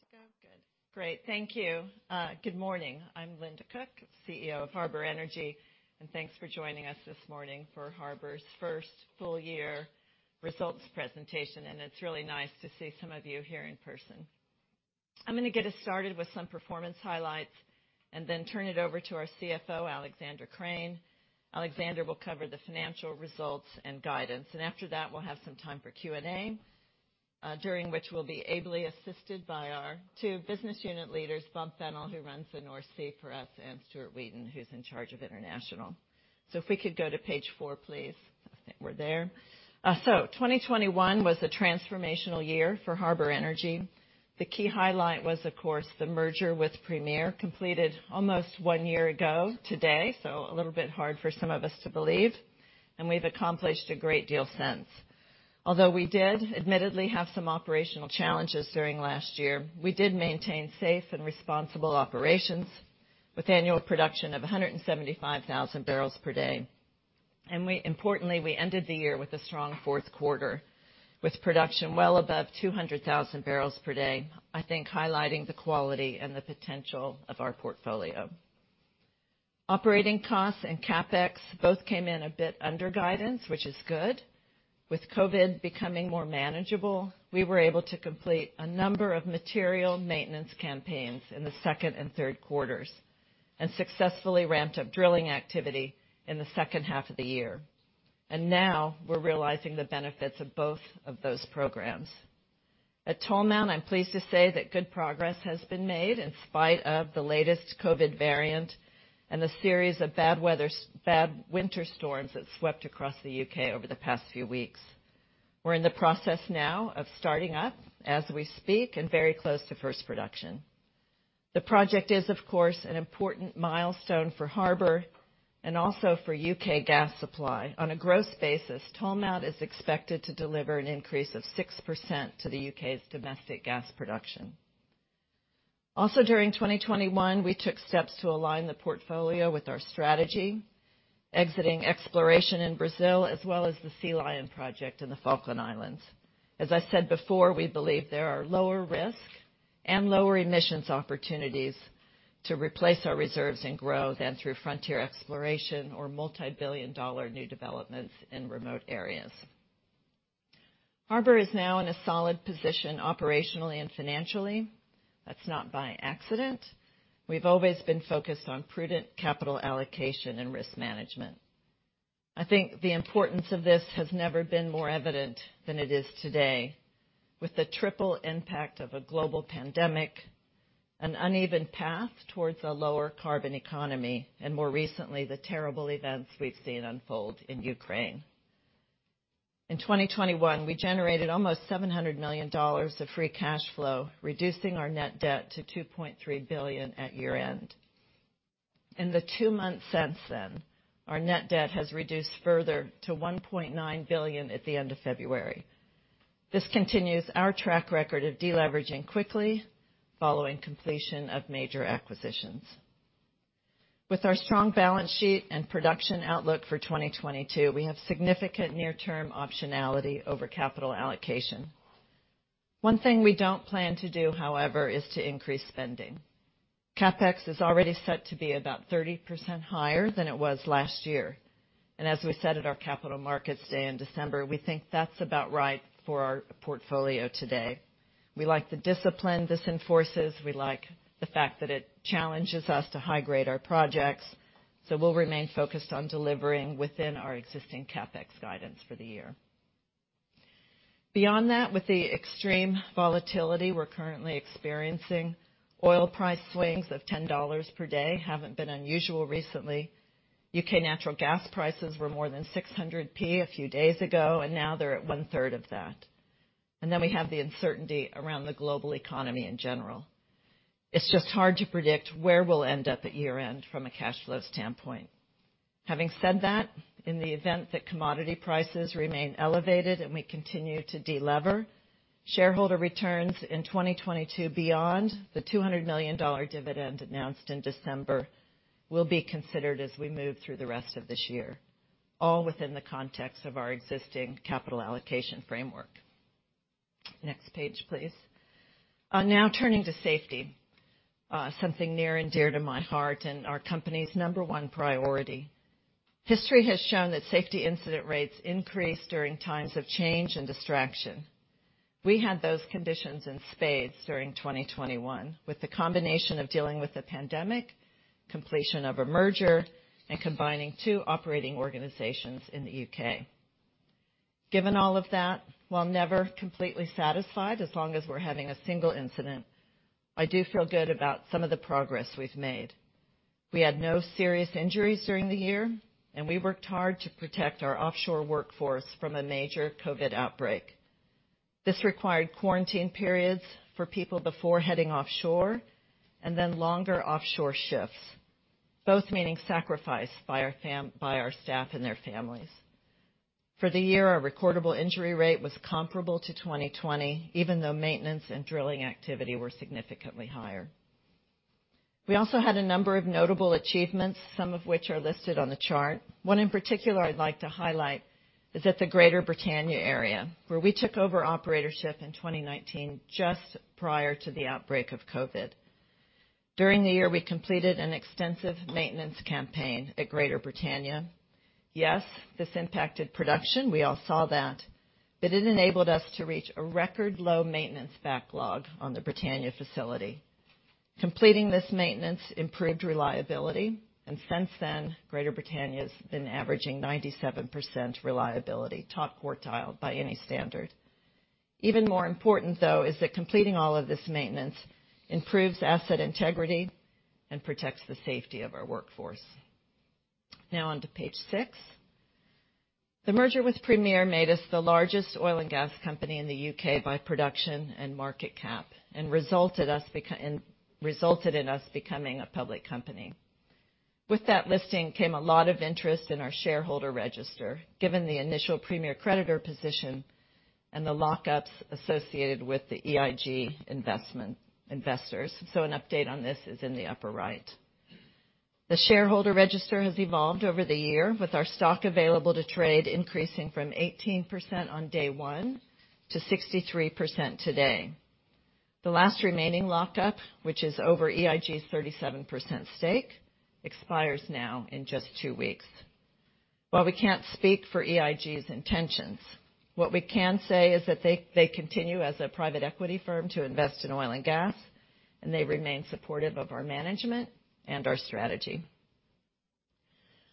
Good to go? Good. Great. Thank you. Good morning. I'm Linda Cook, CEO of Harbour Energy, and thanks for joining us this morning for Harbour's first full year results presentation. It's really nice to see some of you here in person. I'm gonna get us started with some performance highlights and then turn it over to our CFO, Alexander Krane. Alexander will cover the financial results and guidance. After that, we'll have some time for Q&A, during which we'll be ably assisted by our two business unit leaders, Bob Fennell, who runs the North Sea for us, and Stuart Wheaton, who's in charge of international. If we could go to page four, please. I think we're there. 2021 was a transformational year for Harbour Energy. The key highlight was, of course, the merger with Premier, completed almost one year ago today, so a little bit hard for some of us to believe. We've accomplished a great deal since. Although we did admittedly have some operational challenges during last year, we did maintain safe and responsible operations with annual production of 175,000 barrels per day. Importantly, we ended the year with a strong fourth quarter, with production well above 200,000 barrels per day, I think highlighting the quality and the potential of our portfolio. Operating costs and CapEx both came in a bit under guidance, which is good. With COVID becoming more manageable, we were able to complete a number of material maintenance campaigns in the second and third quarters and successfully ramped up drilling activity in the second half of the year. Now we're realizing the benefits of both of those programs. At Tolmount, I'm pleased to say that good progress has been made in spite of the latest COVID variant and the series of bad winter storms that swept across the U.K. over the past few weeks. We're in the process now of starting up as we speak and very close to first production. The project is, of course, an important milestone for Harbour and also for U.K. gas supply. On a gross basis, Tolmount is expected to deliver an increase of 6% to the U.K.'s domestic gas production. Also, during 2021, we took steps to align the portfolio with our strategy, exiting exploration in Brazil, as well as the Sea Lion project in the Falkland Islands. As I said before, we believe there are lower risk and lower emissions opportunities to replace our reserves and growth than through frontier exploration or multi-billion dollar new developments in remote areas. Harbour is now in a solid position operationally and financially. That's not by accident. We've always been focused on prudent capital allocation and risk management. I think the importance of this has never been more evident than it is today with the triple impact of a global pandemic, an uneven path towards a lower carbon economy, and more recently, the terrible events we've seen unfold in Ukraine. In 2021, we generated almost $700 million of free cash flow, reducing our net debt to $2.3 billion at year-end. In the two months since then, our net debt has reduced further to $1.9 billion at the end of February. This continues our track record of deleveraging quickly following completion of major acquisitions. With our strong balance sheet and production outlook for 2022, we have significant near-term optionality over capital allocation. One thing we don't plan to do, however, is to increase spending. CapEx is already set to be about 30% higher than it was last year. As we said at our Capital Markets Day in December, we think that's about right for our portfolio today. We like the discipline this enforces. We like the fact that it challenges us to high grade our projects, so we'll remain focused on delivering within our existing CapEx guidance for the year. Beyond that, with the extreme volatility we're currently experiencing, oil price swings of $10 per day haven't been unusual recently. U.K. natural gas prices were more than 6 a few days ago, and now they're at one-third of that. We have the uncertainty around the global economy in general. It's just hard to predict where we'll end up at year-end from a cash flow standpoint. Having said that, in the event that commodity prices remain elevated and we continue to delever, shareholder returns in 2022 beyond the $200 million dividend announced in December will be considered as we move through the rest of this year, all within the context of our existing capital allocation framework. Next page, please. Now turning to safety, something near and dear to my heart and our company's number one priority. History has shown that safety incident rates increase during times of change and distraction. We had those conditions in spades during 2021, with the combination of dealing with the pandemic, completion of a merger, and combining two operating organizations in the U.K. Given all of that, while never completely satisfied as long as we're having a single incident, I do feel good about some of the progress we've made. We had no serious injuries during the year, and we worked hard to protect our offshore workforce from a major COVID outbreak. This required quarantine periods for people before heading offshore and then longer offshore shifts, both meaning sacrifice by our staff and their families. For the year, our recordable injury rate was comparable to 2020, even though maintenance and drilling activity were significantly higher. We also had a number of notable achievements, some of which are listed on the chart. One in particular I'd like to highlight is at the Greater Britannia area, where we took over operatorship in 2019 just prior to the outbreak of COVID. During the year, we completed an extensive maintenance campaign at Greater Britannia. Yes, this impacted production. We all saw that. It enabled us to reach a record low maintenance backlog on the Britannia facility. Completing this maintenance improved reliability, and since then, Greater Britannia has been averaging 97% reliability, top quartile by any standard. Even more important, though, is that completing all of this maintenance improves asset integrity and protects the safety of our workforce. Now on to page six. The merger with Premier made us the largest oil and gas company in the U.K. by production and market cap and resulted in us becoming a public company. With that listing came a lot of interest in our shareholder register, given the initial Premier creditor position and the lockups associated with the EIG investment investors. An update on this is in the upper right. The shareholder register has evolved over the year, with our stock available to trade increasing from 18% on day one to 63% today. The last remaining lockup, which is over EIG's 37% stake, expires now in just two weeks. While we can't speak for EIG's intentions, what we can say is that they continue as a private equity firm to invest in oil and gas, and they remain supportive of our management and our strategy.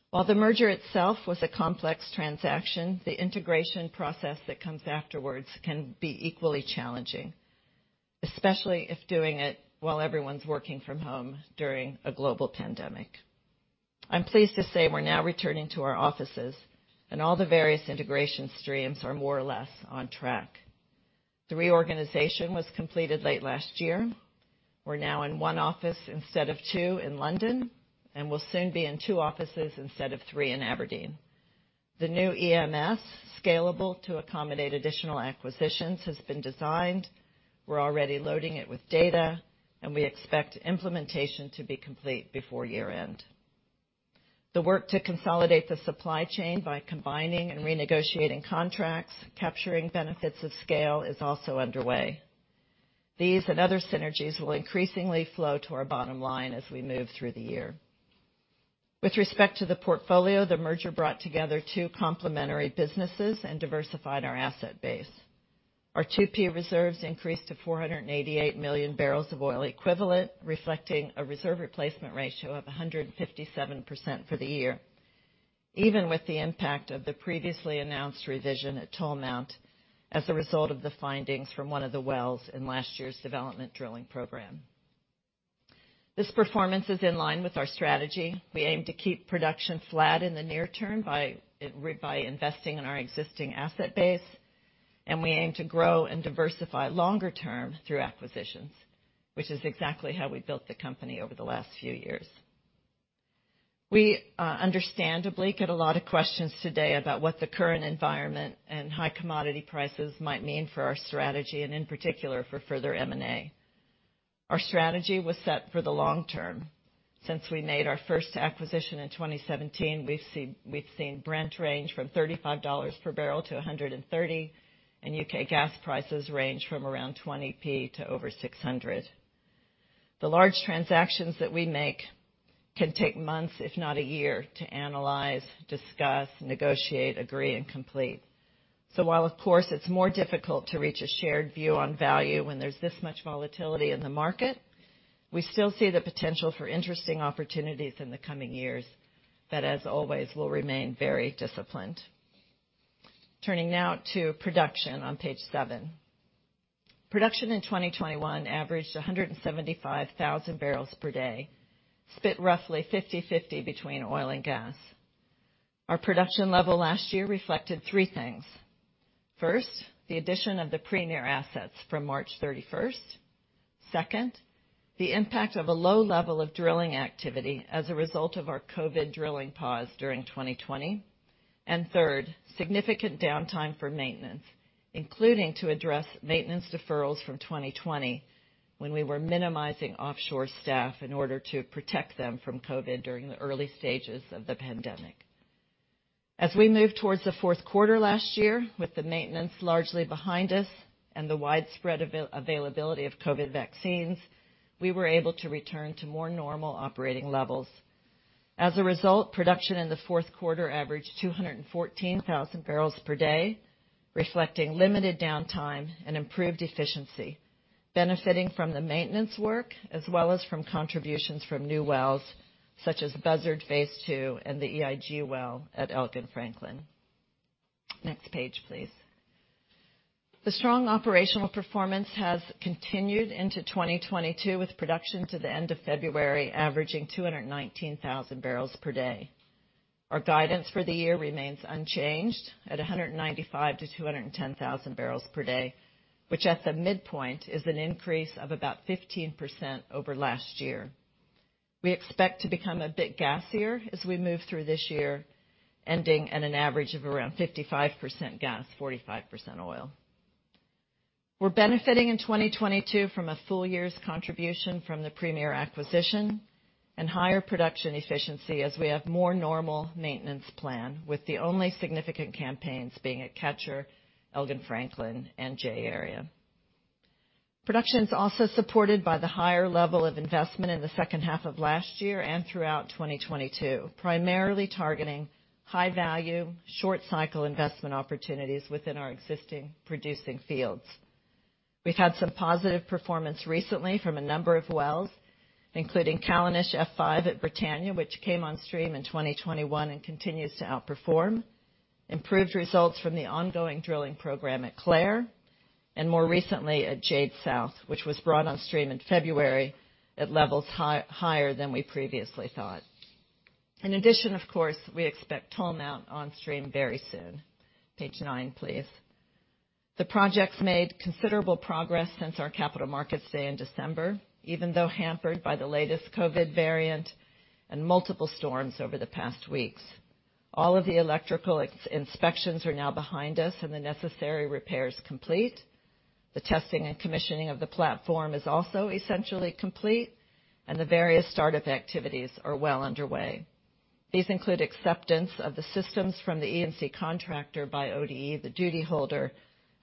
While the merger itself was a complex transaction, the integration process that comes afterwards can be equally challenging, especially if doing it while everyone's working from home during a global pandemic. I'm pleased to say we're now returning to our offices, and all the various integration streams are more or less on track. The reorganization was completed late last year. We're now in one office instead of two in London, and we'll soon be in two offices instead of three in Aberdeen. The new EMS, scalable to accommodate additional acquisitions, has been designed. We're already loading it with data, and we expect implementation to be complete before year-end. The work to consolidate the supply chain by combining and renegotiating contracts, capturing benefits of scale, is also underway. These and other synergies will increasingly flow to our bottom line as we move through the year. With respect to the portfolio, the merger brought together two complementary businesses and diversified our asset base. Our 2P reserves in creased to 488 million barrels of oil equivalent, reflecting a reserve replacement ratio of 157% for the year, even with the impact of the previously announced revision at Tolmount as a result of the findings from one of the wells in last year's development drilling program. This performance is in line with our strategy. We aim to keep production flat in the near term by investing in our existing asset base, and we aim to grow and diversify longer term through acquisitions, which is exactly how we built the company over the last few years. We understandably get a lot of questions today about what the current environment and high commodity prices might mean for our strategy and, in particular, for further M&A. Our strategy was set for the long term. Since we made our first acquisition in 2017, we've seen Brent range from $35 per barrel to $130, and U.K. gas prices range from around 0.2 to over 6. The large transactions that we make can take months, if not a year, to analyze, discuss, negotiate, agree, and complete. While, of course, it's more difficult to reach a shared view on value when there's this much volatility in the market, we still see the potential for interesting opportunities in the coming years that, as always, will remain very disciplined. Turning now to production on page seven. Production in 2021 averaged 175,000 barrels per day, split roughly 50/50 between oil and gas. Our production level last year reflected three things. First, the addition of the Premier assets from March 31st. Second, the impact of a low level of drilling activity as a result of our COVID drilling pause during 2020. Third, significant downtime for maintenance, including to address maintenance deferrals from 2020 when we were minimizing offshore staff in order to protect them from COVID during the early stages of the pandemic. As we moved towards the fourth quarter last year with the maintenance largely behind us and the widespread availability of COVID vaccines, we were able to return to more normal operating levels. As a result, production in the fourth quarter averaged 214,000 barrels per day, reflecting limited downtime and improved efficiency, benefiting from the maintenance work as well as from contributions from new wells such as Buzzard Phase Two and the EIG well at Elgin-Franklin. Next page, please. The strong operational performance has continued into 2022, with production to the end of February averaging 219,000 barrels per day. Our guidance for the year remains unchanged at 195,000-210,000 barrels per day, which at the midpoint is an increase of about 15% over last year. We expect to become a bit gassier as we move through this year, ending at an average of around 55% gas, 45% oil. We're benefiting in 2022 from a full year's contribution from the Premier acquisition and higher production efficiency as we have more normal maintenance plan, with the only significant campaigns being at Catcher, Elgin-Franklin, and J-Area. Production is also supported by the higher level of investment in the second half of last year and throughout 2022, primarily targeting high value, short cycle investment opportunities within our existing producing fields. We've had some positive performance recently from a number of wells, including Callanish F5 at Britannia, which came on stream in 2021 and continues to outperform, improved results from the ongoing drilling program at Clair, and more recently at Judy South, which was brought on stream in February at levels higher than we previously thought. In addition, of course, we expect Tolmount on stream very soon. Page nine, please. The projects made considerable progress since our Capital Markets Day in December, even though hampered by the latest COVID variant and multiple storms over the past weeks. All of the electrical inspections are now behind us and the necessary repairs complete. The testing and commissioning of the platform is also essentially complete, and the various startup activities are well underway. These include acceptance of the systems from the EPC contractor by ODE, the duty holder,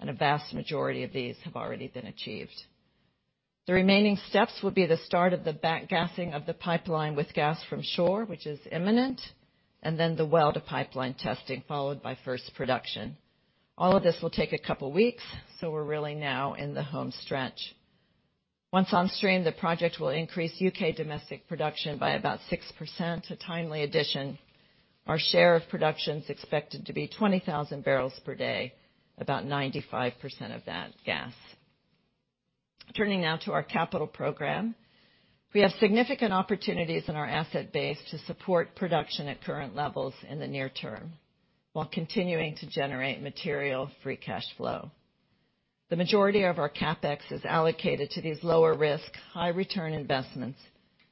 and a vast majority of these have already been achieved. The remaining steps will be the start of the back gassing of the pipeline with gas from shore, which is imminent, and then the well to pipeline testing, followed by first production. All of this will take a couple weeks, so we're really now in the home stretch. Once on stream, the project will increase U.K. domestic production by about 6%, a timely addition. Our share of production is expected to be 20,000 barrels per day, about 95% of that gas. Turning now to our capital program. We have significant opportunities in our asset base to support production at current levels in the near term, while continuing to generate material free cash flow. The majority of our CapEx is allocated to these lower risk, high return investments,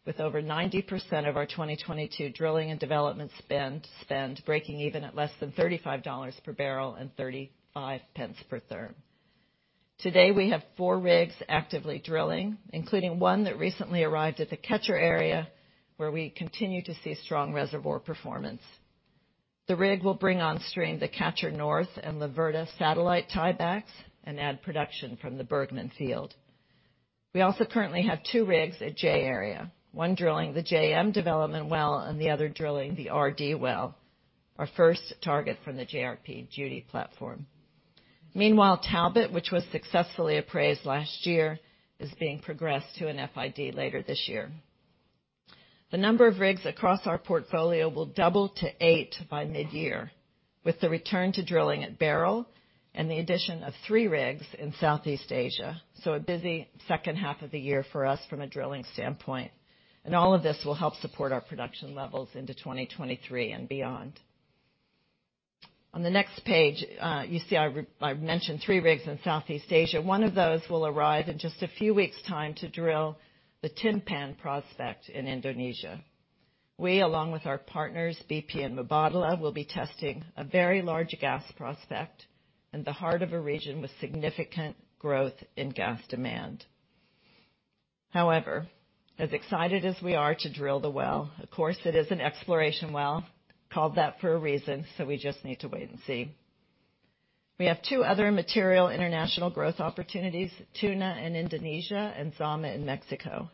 with over 90% of our 2022 drilling and development spend breaking even at less than $35 per barrel and 0.35 per therm. Today, we have four rigs actively drilling, including one that recently arrived at the Catcher Area, where we continue to see strong reservoir performance. The rig will bring on stream the Catcher North and Laverda satellite tie-backs and add production from the Burgman field. We also currently have two rigs at J-Area, one drilling the JM development well and the other drilling the RD well, our first target from the Judy platform. Meanwhile, Talbot, which was successfully appraised last year, is being progressed to an FID later this year. The number of rigs across our portfolio will double to eight by mid-year, with the return to drilling at Beryl and the addition of three rigs in Southeast Asia. A busy second half of the year for us from a drilling standpoint. All of this will help support our production levels into 2023 and beyond. On the next page, you see I've mentioned three rigs in Southeast Asia. One of those will arrive in just a few weeks time to drill the Timpan prospect in Indonesia. We, along with our partners, BP and Mubadala, will be testing a very large gas prospect in the heart of a region with significant growth in gas demand. However, as excited as we are to drill the well, of course, it is an exploration well, called that for a reason, so we just need to wait and see. We have two other material international growth opportunities, Tuna in Indonesia and Zama in Mexico.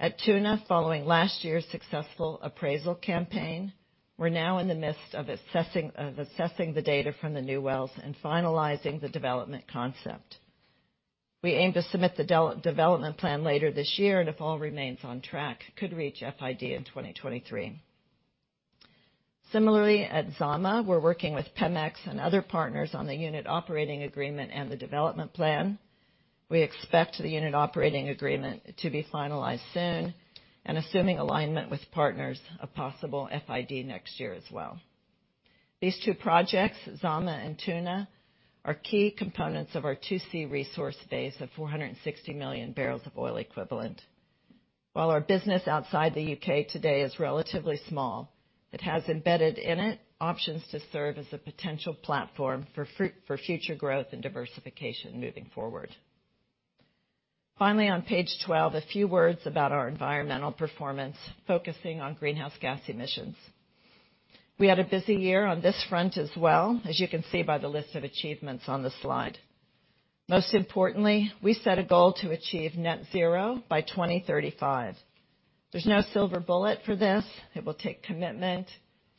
At Timpan, following last year's successful appraisal campaign, we're now in the midst of assessing the data from the new wells and finalizing the development concept. We aim to submit the development plan later this year, and if all remains on track, could reach FID in 2023. Similarly, at Zama, we're working with Pemex and other partners on the unit operating agreement and the development plan. We expect the unit operating agreement to be finalized soon and assuming alignment with partners, a possible FID next year as well. These two projects, Zama and Tuna, are key components of our 2C resource base of 460 million barrels of oil equivalent. While our business outside the U.K. today is relatively small, it has embedded in it options to serve as a potential platform for future growth and diversification moving forward. Finally, on page 12, a few words about our environmental performance, focusing on greenhouse gas emissions. We had a busy year on this front as well, as you can see by the list of achievements on the slide. Most importantly, we set a goal to achieve net zero by 2035. There's no silver bullet for this. It will take commitment,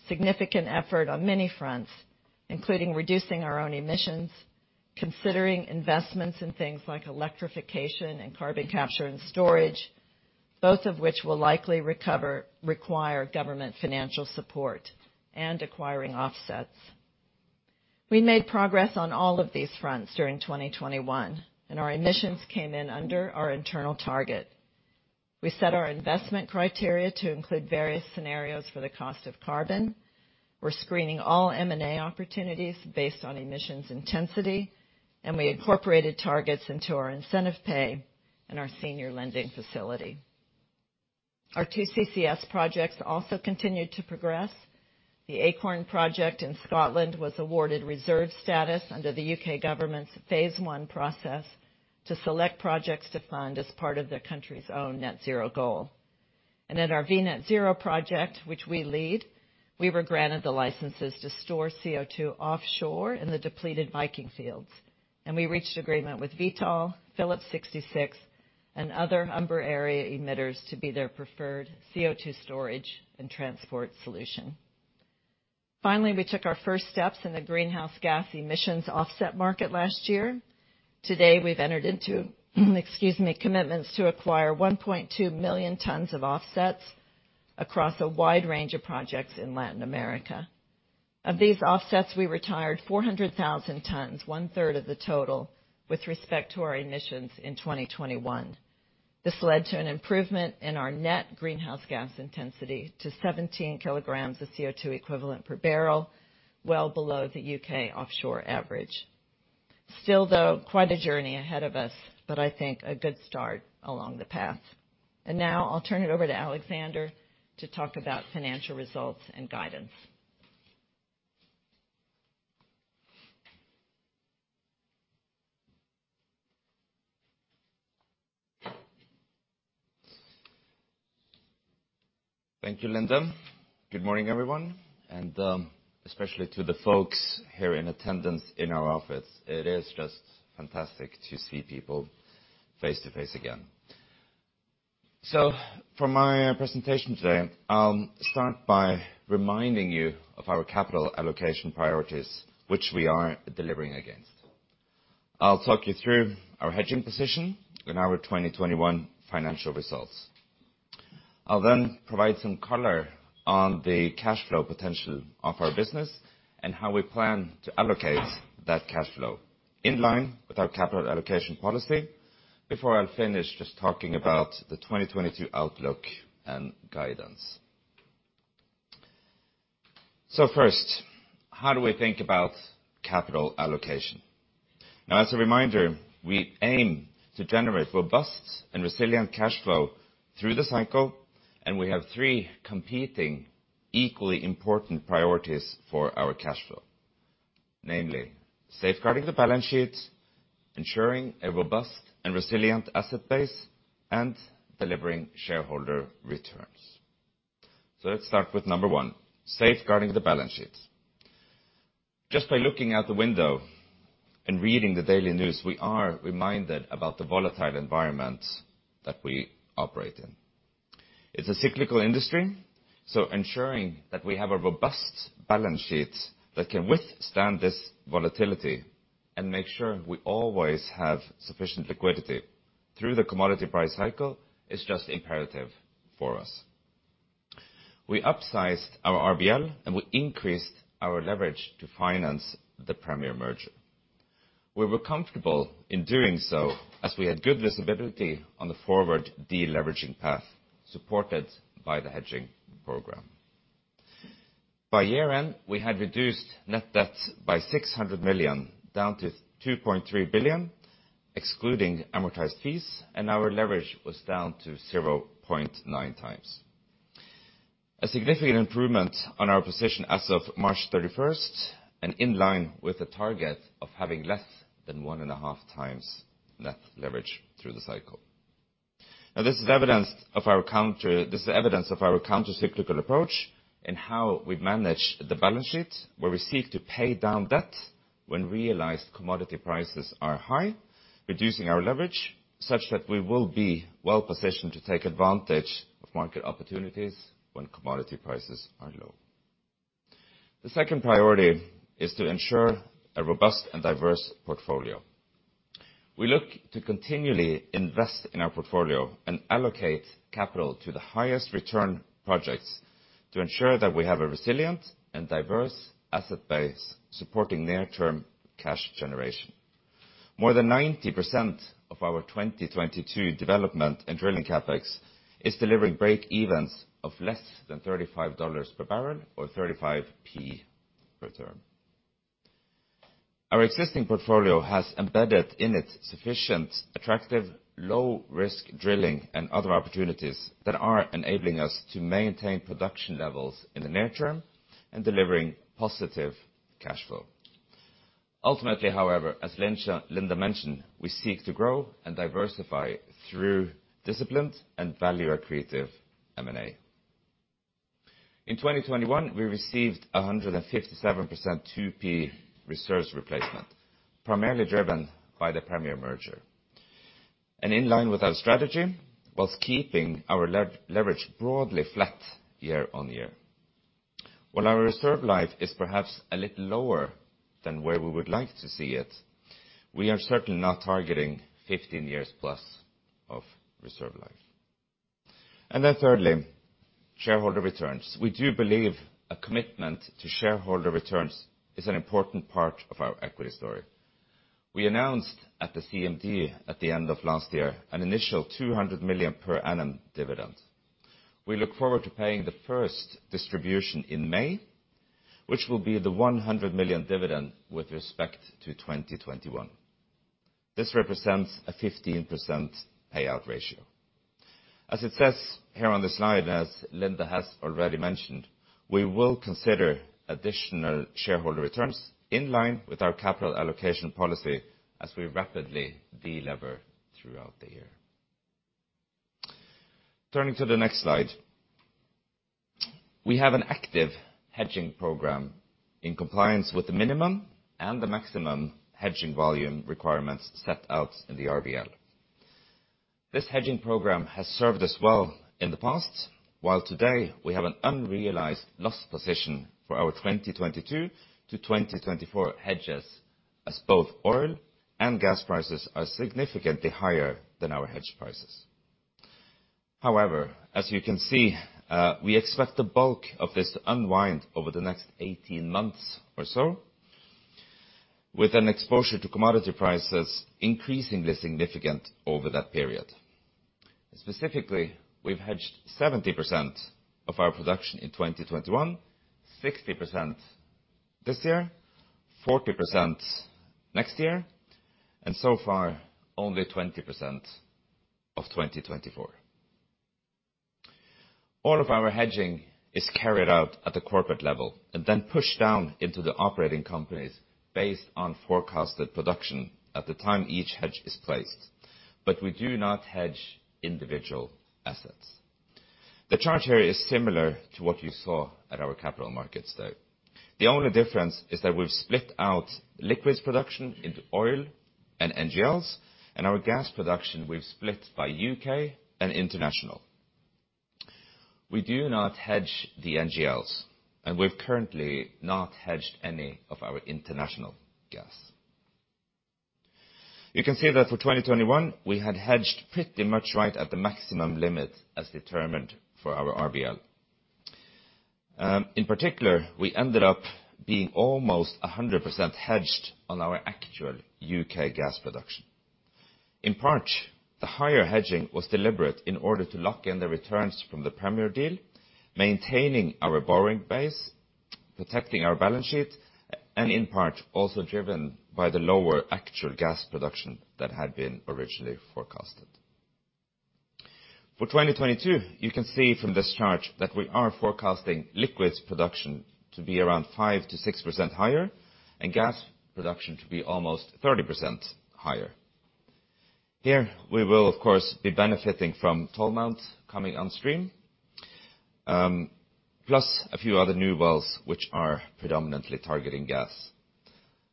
significant effort on many fronts, including reducing our own emissions, considering investments in things like electrification and carbon capture and storage, both of which will likely require government financial support and acquiring offsets. We made progress on all of these fronts during 2021, and our emissions came in under our internal target. We set our investment criteria to include various scenarios for the cost of carbon. We're screening all M&A opportunities based on emissions intensity, and we incorporated targets into our incentive pay and our senior lending facility. Our two CCS projects also continued to progress. The Acorn project in Scotland was awarded reserve status under the U.K. government's phase one process to select projects to fund as part of the country's own net zero goal. Our V Net Zero project, which we lead, we were granted the licenses to store CO2 offshore in the depleted Viking fields. We reached agreement with Vitol, Phillips 66, and other Humber area emitters to be their preferred CO2 storage and transport solution. Finally, we took our first steps in the greenhouse gas emissions offset market last year. Today, we've entered into, excuse me, commitments to acquire 1.2 million tons of offsets across a wide range of projects in Latin America. Of these offsets, we retired 400,000 tons, one-third of the total, with respect to our emissions in 2021. This led to an improvement in our net greenhouse gas intensity to 17 kilograms of CO2 equivalent per barrel, well below the U.K. offshore average. Still, though, quite a journey ahead of us, but I think a good start along the path. Now I'll turn it over to Alexander to talk about financial results and guidance. Thank you, Linda. Good morning, everyone, and, especially to the folks here in attendance in our office. It is just fantastic to see people face-to-face again. For my presentation today, I'll start by reminding you of our capital allocation priorities, which we are delivering against. I'll talk you through our hedging position and our 2021 financial results. I'll then provide some color on the cash flow potential of our business and how we plan to allocate that cash flow in line with our capital allocation policy before I'll finish just talking about the 2022 outlook and guidance. First, how do we think about capital allocation? Now, as a reminder, we aim to generate robust and resilient cash flow through the cycle, and we have three competing, equally important priorities for our cash flow. Namely, safeguarding the balance sheets, ensuring a robust and resilient asset base, and delivering shareholder returns. Let's start with number one, safeguarding the balance sheets. Just by looking out the window and reading the daily news, we are reminded about the volatile environment that we operate in. It's a cyclical industry, so ensuring that we have a robust balance sheet that can withstand this volatility and make sure we always have sufficient liquidity through the commodity price cycle is just imperative for us. We upsized our RBL, and we increased our leverage to finance the Premier merger. We were comfortable in doing so as we had good visibility on the forward deleveraging path supported by the hedging program. By year-end, we had reduced net debt by $600 million, down to $2.3 billion, excluding amortized fees, and our leverage was down to 0.9x. A significant improvement on our position as of March thirty-first, and in line with the target of having less than one and a half times net leverage through the cycle. Now this is evidence of our counter-cyclical approach and how we manage the balance sheet, where we seek to pay down debt when realized commodity prices are high, reducing our leverage, such that we will be well-positioned to take advantage of market opportunities when commodity prices are low. The second priority is to ensure a robust and diverse portfolio. We look to continually invest in our portfolio and allocate capital to the highest return projects to ensure that we have a resilient and diverse asset base supporting near-term cash generation. More than 90% of our 2022 development and drilling CapEx is delivering breakevens of less than $35 per barrel or 0.35 per therm. Our existing portfolio has embedded in it sufficient, attractive, low-risk drilling and other opportunities that are enabling us to maintain production levels in the near term and delivering positive cash flow. Ultimately, however, as Linda Cook mentioned, we seek to grow and diversify through disciplined and value-accretive M&A. In 2021, we received a 157% 2P reserves replacement, primarily driven by the Premier merger. In line with our strategy, while keeping our leverage broadly flat year-over-year. While our reserve life is perhaps a little lower than where we would like to see it, we are certainly not targeting 15 years plus of reserve life. Thirdly, shareholder returns. We do believe a commitment to shareholder returns is an important part of our equity story. We announced at the CMD at the end of last year an initial $200 million per annum dividend. We look forward to paying the first distribution in May, which will be the $100 million dividend with respect to 2021. This represents a 15% payout ratio. As it says here on the slide, as Linda has already mentioned, we will consider additional shareholder returns in line with our capital allocation policy as we rapidly de-lever throughout the year. Turning to the next slide. We have an active hedging program in compliance with the minimum and the maximum hedging volume requirements set out in the RBL. This hedging program has served us well in the past, while today we have an unrealized loss position for our 2022 to 2024 hedges, as both oil and gas prices are significantly higher than our hedge prices. However, as you can see, we expect the bulk of this to unwind over the next 18 months or so, with an exposure to commodity prices increasingly significant over that period. Specifically, we've hedged 70% of our production in 2021, 60% this year, 40% next year, and so far, only 20% of 2024. All of our hedging is carried out at the corporate level and then pushed down into the operating companies based on forecasted production at the time each hedge is placed. But we do not hedge individual assets. The chart here is similar to what you saw at our Capital Markets Day. The only difference is that we've split out liquids production into oil and NGLs, and our gas production we've split by U.K. and international. We do not hedge the NGLs, and we've currently not hedged any of our international gas. You can see that for 2021, we had hedged pretty much right at the maximum limit as determined for our RBL. In particular, we ended up being almost 100% hedged on our actual U.K. gas production. In part, the higher hedging was deliberate in order to lock in the returns from the Premier deal, maintaining our borrowing base, protecting our balance sheet, and in part, also driven by the lower actual gas production that had been originally forecasted. For 2022, you can see from this chart that we are forecasting liquids production to be around 5%-6% higher and gas production to be almost 30% higher. Here, we will of course be benefiting from Tolmount coming on stream, plus a few other new wells which are predominantly targeting gas.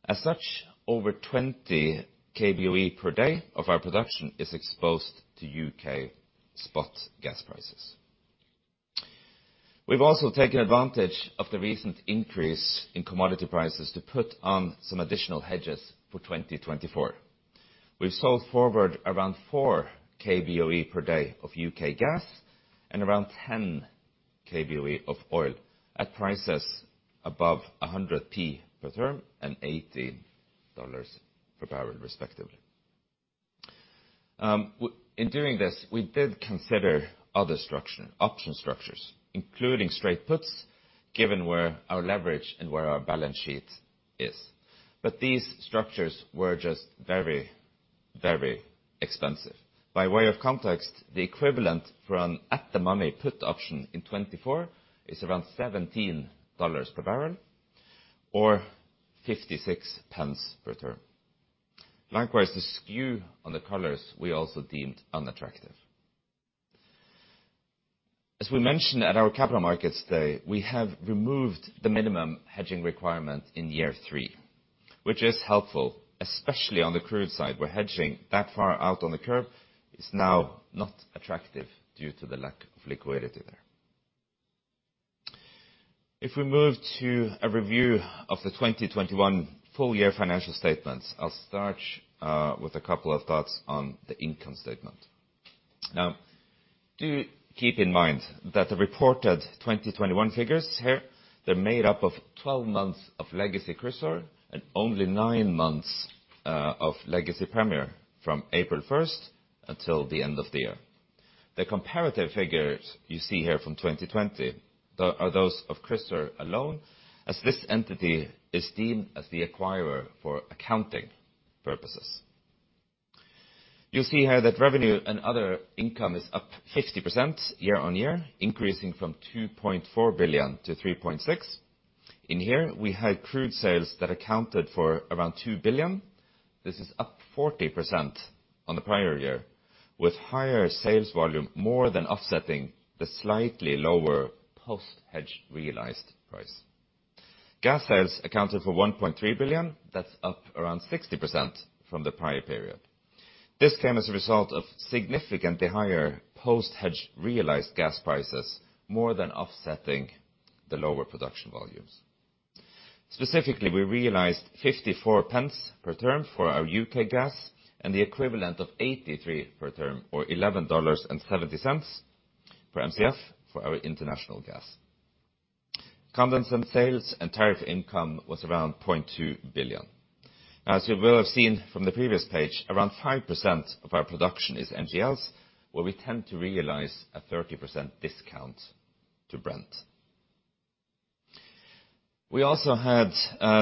As such, over 20 kboe per day of our production is exposed to U.K. spot gas prices. We've also taken advantage of the recent increase in commodity prices to put on some additional hedges for 2024. We've sold forward around 4 kboe per day of U.K. gas and around 10 kboe of oil at prices above 1 per therm and $80 per barrel respectively. In doing this, we did consider other option structures, including straight puts, given where our leverage and where our balance sheet is. These structures were just very, very expensive. By way of context, the equivalent for an at-the-money put option in 2024 is around $17 per barrel or GBP 0.56 per therm. Likewise, the skew on the collars we also deemed unattractive. As we mentioned at our Capital Markets Day, we have removed the minimum hedging requirement in year three, which is helpful, especially on the crude side, where hedging that far out on the curve is now not attractive due to the lack of liquidity there. If we move to a review of the 2021 full year financial statements, I'll start with a couple of thoughts on the income statement. Now, do keep in mind that the reported 2021 figures here, they're made up of 12 months of legacy Chrysaor and only nine months of legacy Premier from April first until the end of the year. The comparative figures you see here from 2020 are those of Chrysaor alone, as this entity is deemed as the acquirer for accounting purposes. You'll see here that revenue and other income is up 50% year-on-year, increasing from $2.4 billion to $3.6 billion. In here, we had crude sales that accounted for around $2 billion. This is up 40% on the prior year, with higher sales volume more than offsetting the slightly lower post-hedge realized price. Gas sales accounted for $1.3 billion. That's up around 60% from the prior period. This came as a result of significantly higher post-hedge realized gas prices more than offsetting the lower production volumes. Specifically, we realized 0.54 per therm for our U.K. gas and the equivalent of 0.83 per therm or $11.70 per Mcf for our international gas. Condensate sales and tariff income was around $0.2 billion. As you will have seen from the previous page, around 5% of our production is NGLs, where we tend to realize a 30% discount to Brent. We also had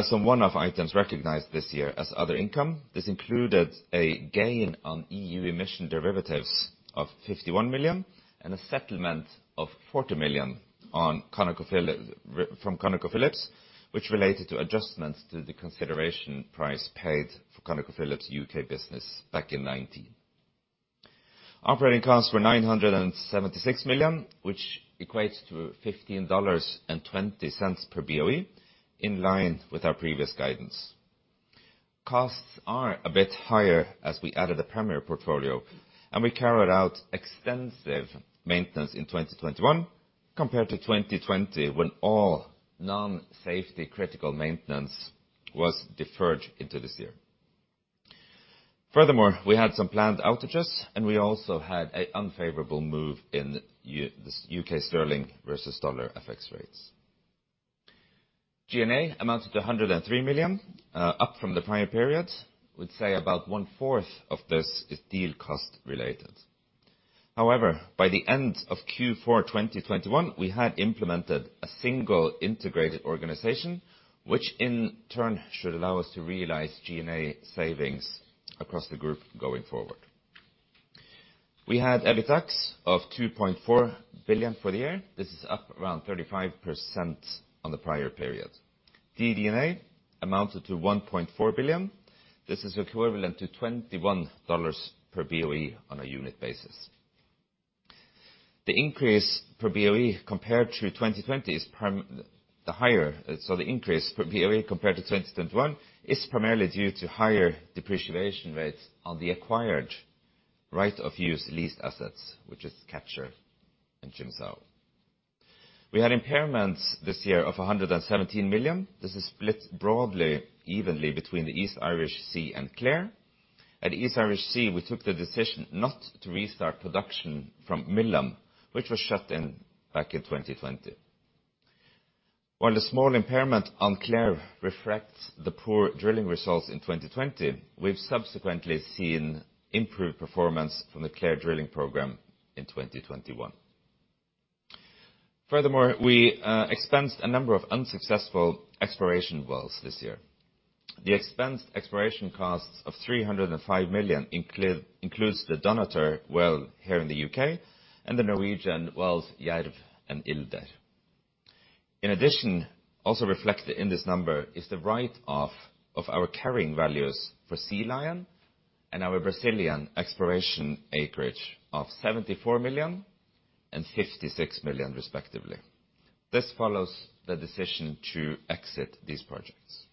some one-off items recognized this year as other income. This included a gain on EU emission derivatives of $51 million, and a settlement of $40 million from ConocoPhillips, which related to adjustments to the consideration price paid for ConocoPhillips' U.K. business back in 2019. Operating costs were $976 million, which equates to $15.20 per BOE, in line with our previous guidance. Costs are a bit higher as we added a Premier portfolio, and we carried out extensive maintenance in 2021 compared to 2020, when all non-safety critical maintenance was deferred into this year. Furthermore, we had some planned outages, and we also had an unfavorable move in this U.K. sterling versus dollar FX rates. G&A amounted to $103 million, up from the prior period. I would say about one-fourth of this is deal cost related. However, by the end of Q4 2021, we had implemented a single integrated organization, which in turn should allow us to realize G&A savings across the group going forward. We had EBITDAX of $2.4 billion for the year. This is up around 35% on the prior period. DD&A amounted to $1.4 billion. This is equivalent to $21 per BOE on a unit basis. It's higher, so the increase per BOE compared to 2021 is primarily due to higher depreciation rates on the acquired right-of-use lease assets, which is Catcher and J-Area. We had impairments this year of $117 million. This is split broadly evenly between the East Irish Sea and Clair. At East Irish Sea, we took the decision not to restart production from Millom, which was shut down back in 2020. While the small impairment on Clair reflects the poor drilling results in 2020, we've subsequently seen improved performance from the Clair drilling program in 2021. Furthermore, we expensed a number of unsuccessful exploration wells this year. The expensed exploration costs of $305 million includes the Dunnottar well here in the U.K. and the Norwegian wells, Jerv and Ilder. In addition, also reflected in this number is the write-off of our carrying values for Sea Lion and our Brazilian exploration acreage of $74 million and $56 million respectively. This follows the decision to exit these projects.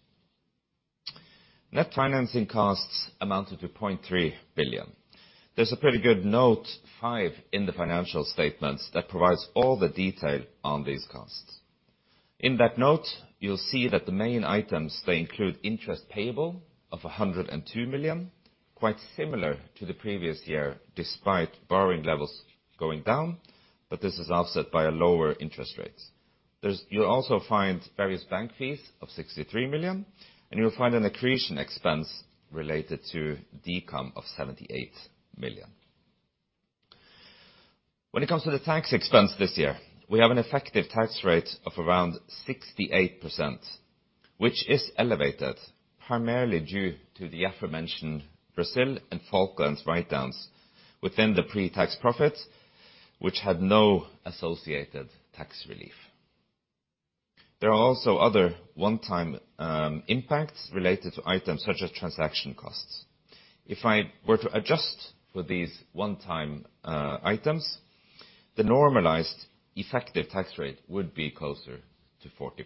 Net financing costs amounted to $0.3 billion. There's a pretty good note five in the financial statements that provides all the detail on these costs. In that note, you'll see that the main items, they include interest payable of $102 million, quite similar to the previous year, despite borrowing levels going down, but this is offset by a lower interest rate. You'll also find various bank fees of $63 million, and you'll find an accretion expense related to the decom of $78 million. When it comes to the tax expense this year, we have an effective tax rate of around 68%, which is elevated primarily due to the aforementioned Brazil and Falklands write-downs within the pre-tax profit, which had no associated tax relief. There are also other one-time impacts related to items such as transaction costs. If I were to adjust for these one-time items, the normalized effective tax rate would be closer to 40%.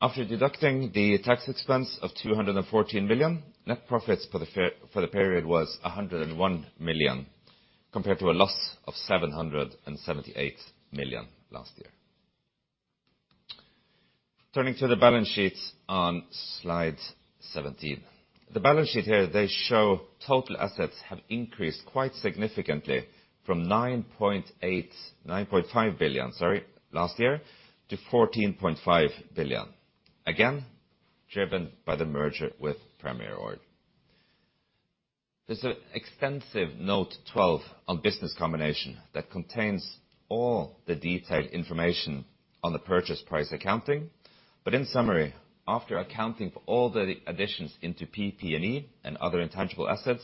After deducting the tax expense of $214 million, net profits for the period was $101 million, compared to a loss of $778 million last year. Turning to the balance sheet on slide seventeen. The balance sheet here, they show total assets have increased quite significantly from $9.5 billion last year to $14.5 billion. Again, driven by the merger with Premier Oil. There's an extensive note 12 on business combination that contains all the detailed information on the purchase price accounting. In summary, after accounting for all the additions into PP&E and other intangible assets,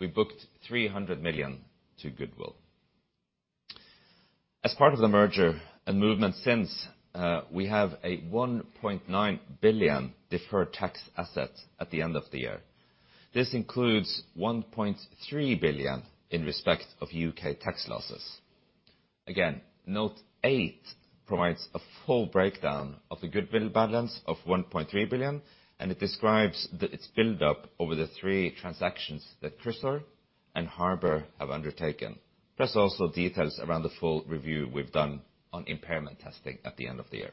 we booked $300 million to goodwill. As part of the merger and movement since, we have a $1.9 billion deferred tax asset at the end of the year. This includes $1.3 billion in respect of U.K. tax losses. Again, note eight provides a full breakdown of the goodwill balance of $1.3 billion, and it describes its build-up over the three transactions that Chrysaor and Harbour have undertaken. Plus, also details around the full review we've done on impairment testing at the end of the year.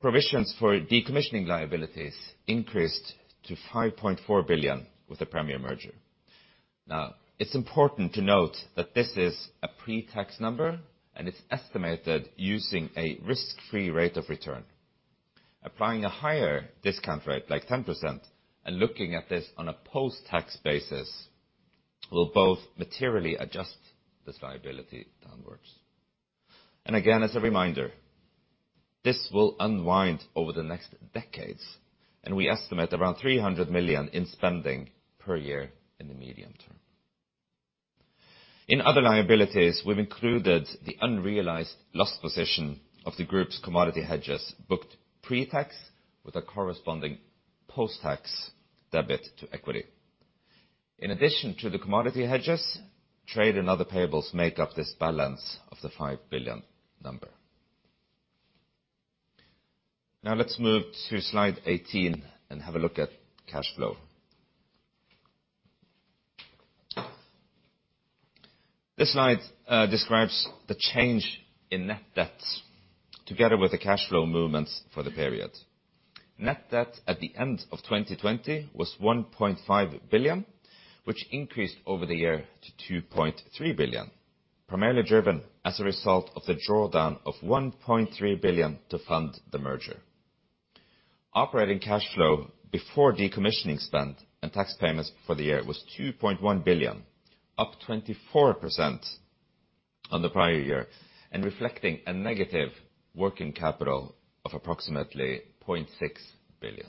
Provisions for decommissioning liabilities increased to $5.4 billion with the Premier merger. Now, it's important to note that this is a pre-tax number, and it's estimated using a risk-free rate of return. Applying a higher discount rate, like 10%, and looking at this on a post-tax basis will both materially adjust this liability downwards. Again, as a reminder, this will unwind over the next decades, and we estimate around $300 million in spending per year in the medium term. In other liabilities, we've included the unrealized loss position of the group's commodity hedges booked pre-tax with a corresponding post-tax debit to equity. In addition to the commodity hedges, trade and other payables make up this balance of the $5 billion number. Now let's move to slide 18 and have a look at cash flow. This slide describes the change in net debt together with the cash flow movements for the period. Net debt at the end of 2020 was $1.5 billion, which increased over the year to $2.3 billion, primarily driven as a result of the drawdown of $1.3 billion to fund the merger. Operating cash flow before decommissioning spend and tax payments for the year was $2.1 billion, up 24% on the prior year, and reflecting a negative working capital of approximately $0.6 billion.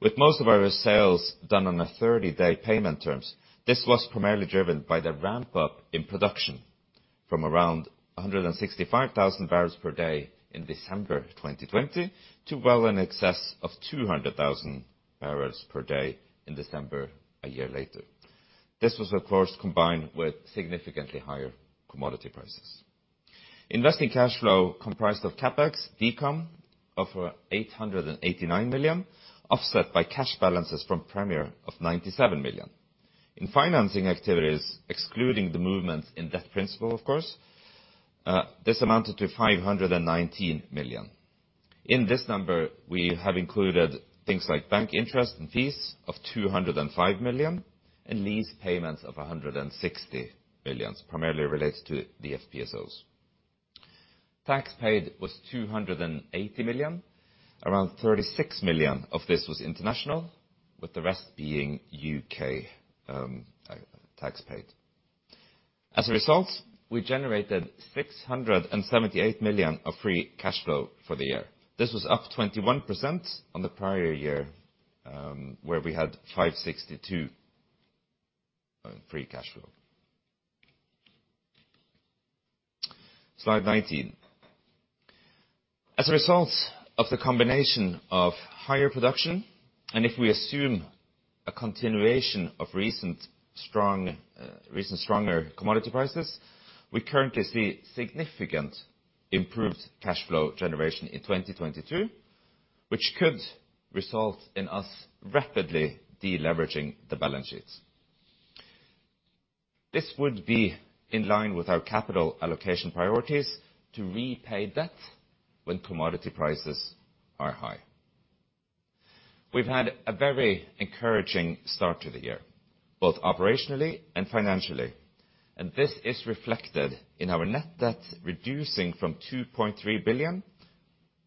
With most of our sales done on a thirty-day payment terms, this was primarily driven by the ramp-up in production from around 165,000 barrels per day in December 2020 to well in excess of 200,000 barrels per day in December a year later. This was, of course, combined with significantly higher commodity prices. Investing cash flow comprised of CapEx, decom of $889 million, offset by cash balances from Premier of $97 million. In financing activities, excluding the movements in debt principal, of course, this amounted to $519 million. In this number, we have included things like bank interest and fees of $205 million and lease payments of $160 million, primarily related to the FPSOs. Tax paid was $280 million. Around $36 million of this was international, with the rest being U.K. tax paid. As a result, we generated $678 million of free cash flow for the year. This was up 21% on the prior year, where we had $562 million free cash flow. Slide 19. As a result of the combination of higher production, and if we assume a continuation of recent strong, recent stronger commodity prices, we currently see significant improved cash flow generation in 2022, which could result in us rapidly deleveraging the balance sheets. This would be in line with our capital allocation priorities to repay debt when commodity prices are high. We've had a very encouraging start to the year, both operationally and financially, and this is reflected in our net debt reducing from $2.3 billion,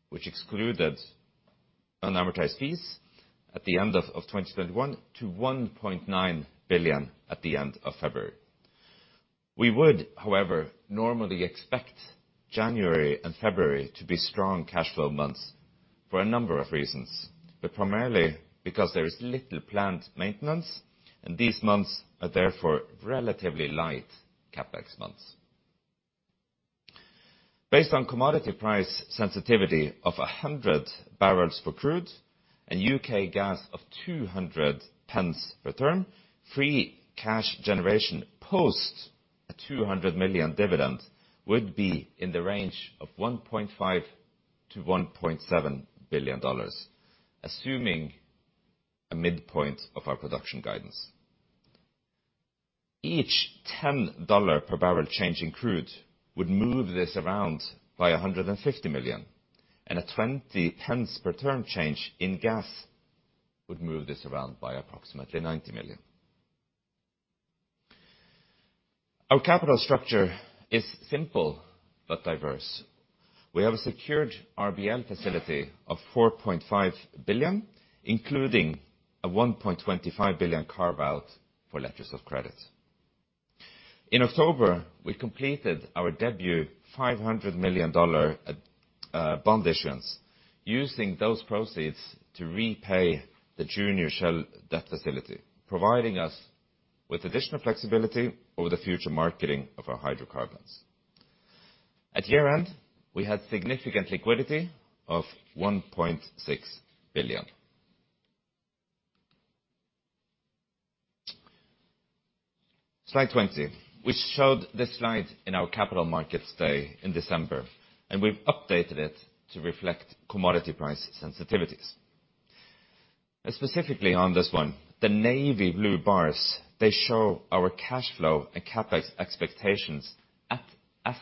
which excluded unamortized fees at the end of 2021 to $1.9 billion at the end of February. We would, however, normally expect January and February to be strong cash flow months for a number of reasons, but primarily because there is little planned maintenance, and these months are therefore relatively light CapEx months. Based on commodity price sensitivity of 100 barrels for crude and U.K. gas of 2 per therm, free cash generation post a $200 million dividend would be in the range of $1.5 billion-$1.7 billion, assuming a midpoint of our production guidance. Each $10 per barrel change in crude would move this around by $150 million, and a 0.20 per therm change in gas would move this around by approximately 90 million. Our capital structure is simple but diverse. We have a secured RBL facility of $4.5 billion, including a $1.5 billion carve-out for letters of credit. In October, we completed our debut $500 million bond issuance using those proceeds to repay the junior Shell debt facility, providing us with additional flexibility over the future marketing of our hydrocarbons. At year-end, we had significant liquidity of $1.6 billion. Slide 20. We showed this slide in our Capital Markets Day in December, and we've updated it to reflect commodity price sensitivities. Specifically on this one, the navy blue bars, they show our cash flow and CapEx expectations at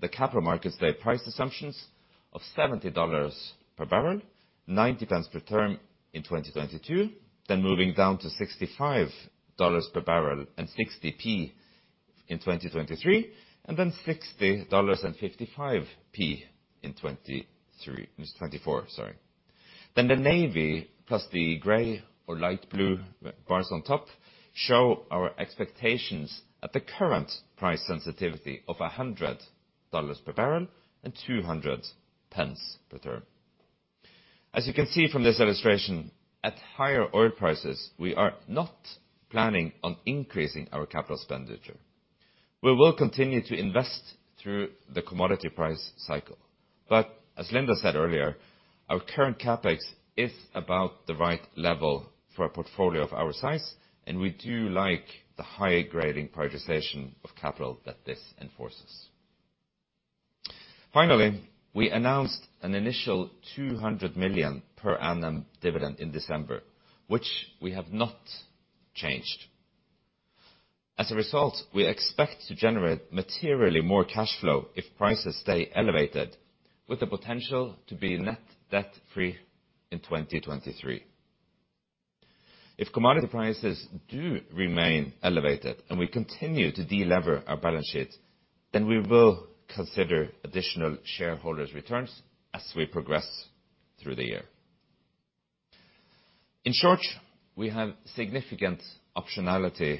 the Capital Markets Day price assumptions of $70 per barrel, 0.90 Per therm in 2022, then moving down to $65 per barrel and 0.60 In 2023, and then $60 and 0.55 In 2023-2024, sorry. The navy plus the gray or light blue bars on top show our expectations at the current price sensitivity of $100 per barrel and 2 per therm. As you can see from this illustration, at higher oil prices, we are not planning on increasing our capital expenditure. We will continue to invest through the commodity price cycle. As Linda said earlier, our current CapEx is about the right level for a portfolio of our size, and we do like the high-grading prioritization of capital that this enforces. Finally, we announced an initial $200 million per annum dividend in December, which we have not changed. As a result, we expect to generate materially more cash flow if prices stay elevated with the potential to be net debt-free in 2023. If commodity prices do remain elevated and we continue to de-lever our balance sheet, then we will consider additional shareholder returns as we progress through the year. In short, we have significant optionality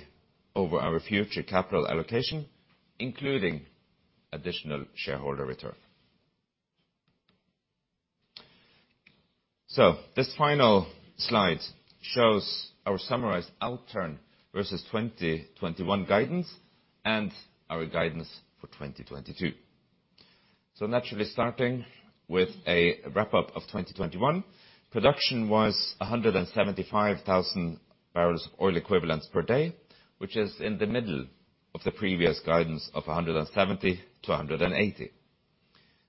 over our future capital allocation, including additional shareholder return. This final slide shows our summarized outturn versus 2021 guidance and our guidance for 2022. Naturally starting with a wrap-up of 2021. Production was 175,000 barrels of oil equivalent per day, which is in the middle of the previous guidance of 170-180.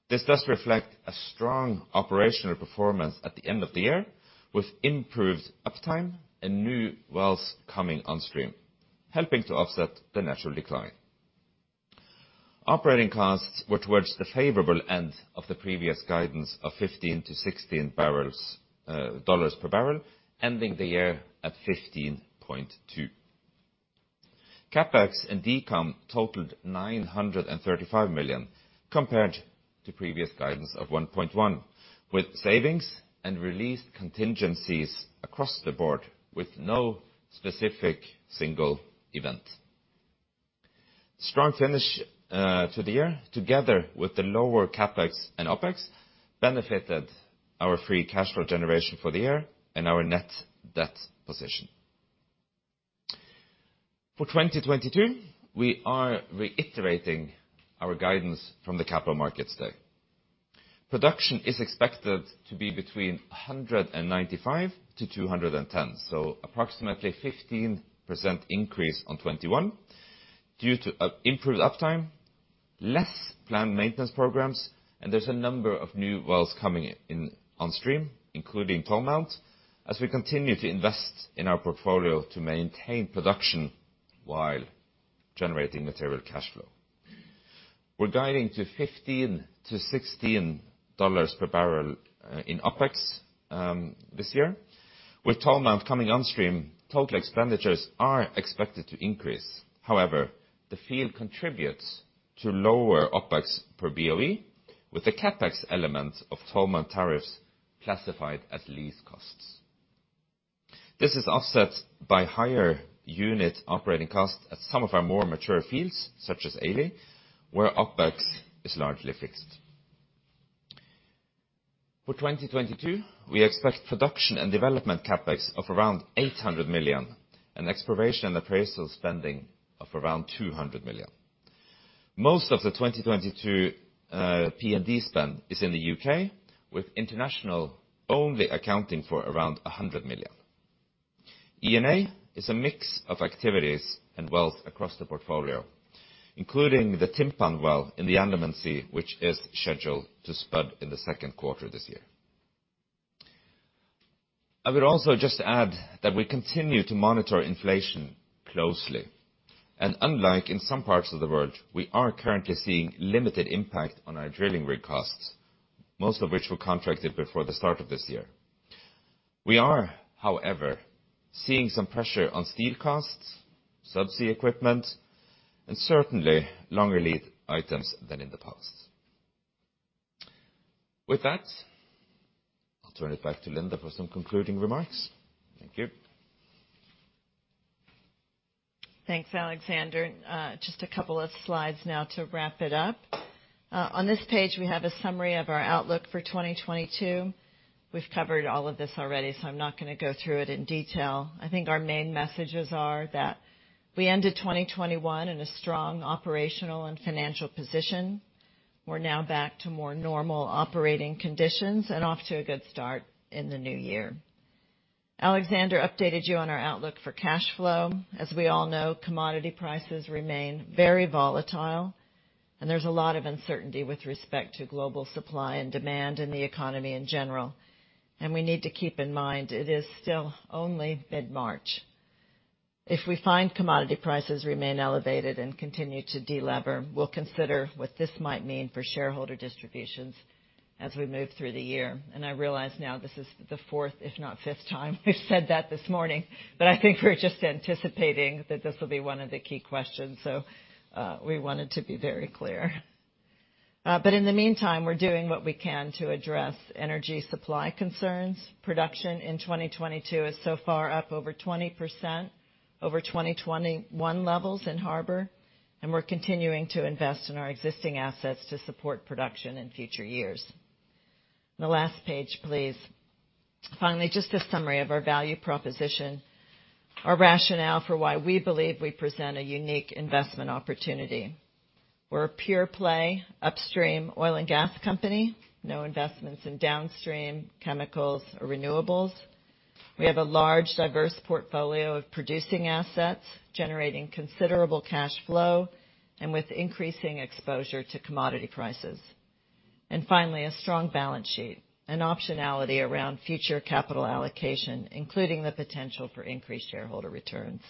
This does reflect a strong operational performance at the end of the year, with improved uptime and new wells coming on stream, helping to offset the natural decline. Operating costs, which was the favorable end of the previous guidance of $15-$16 per barrel, ending the year at $15.2. CapEx and decom totaled $935 million compared to previous guidance of $1.1 billion, with savings and released contingencies across the board with no specific single event. Strong finish to the year, together with the lower CapEx and OpEx, benefited our free cash flow generation for the year and our net debt position. For 2022, we are reiterating our guidance from the Capital Markets Day. Production is expected to be between 195-210, so approximately 15% increase on 2021 due to improved uptime, less planned maintenance programs, and there's a number of new wells coming on stream, including Tolmount, as we continue to invest in our portfolio to maintain production while generating material cash flow. We're guiding to $15-$16 per barrel in OpEx this year. With Tolmount coming on stream, total expenditures are expected to increase. However, the field contributes to lower OpEx per BOE, with the CapEx element of Tolmount tariffs classified as lease costs. This is offset by higher unit operating costs at some of our more mature fields, such as Ailsa, where OpEx is largely fixed. For 2022, we expect production and development CapEx of around $800 million and exploration and appraisal spending of around $200 million. Most of the 2022 P&D spend is in the U.K., with international only accounting for around $100 million. E&A is a mix of activities and wells across the portfolio, including the Timpan well in the Andaman Sea, which is scheduled to spud in the second quarter this year. I would also just add that we continue to monitor inflation closely. Unlike in some parts of the world, we are currently seeing limited impact on our drilling rig costs, most of which were contracted before the start of this year. We are, however, seeing some pressure on steel costs, subsea equipment, and certainly longer lead items than in the past. With that, I'll turn it back to Linda for some concluding remarks. Thank you. Thanks, Alexander. Just a couple of slides now to wrap it up. On this page, we have a summary of our outlook for 2022. We've covered all of this already, so I'm not gonna go through it in detail. I think our main messages are that we ended 2021 in a strong operational and financial position. We're now back to more normal operating conditions and off to a good start in the new year. Alexander updated you on our outlook for cash flow. As we all know, commodity prices remain very volatile, and there's a lot of uncertainty with respect to global supply and demand in the economy in general. We need to keep in mind, it is still only mid-March. If we find commodity prices remain elevated and continue to de-lever, we'll consider what this might mean for shareholder distributions. As we move through the year, and I realize now this is the fourth, if not fifth time we've said that this morning, but I think we're just anticipating that this will be one of the key questions, so, we wanted to be very clear. In the meantime, we're doing what we can to address energy supply concerns. Production in 2022 is so far up over 20% over 2021 levels in Harbour, and we're continuing to invest in our existing assets to support production in future years. The last page, please. Finally, just a summary of our value proposition, our rationale for why we believe we present a unique investment opportunity. We're a pure-play upstream oil and gas company, no investments in downstream chemicals or renewables. We have a large, diverse portfolio of producing assets, generating considerable cash flow and with increasing exposure to commodity prices. Finally, a strong balance sheet and optionality around future capital allocation, including the potential for increased shareholder returns.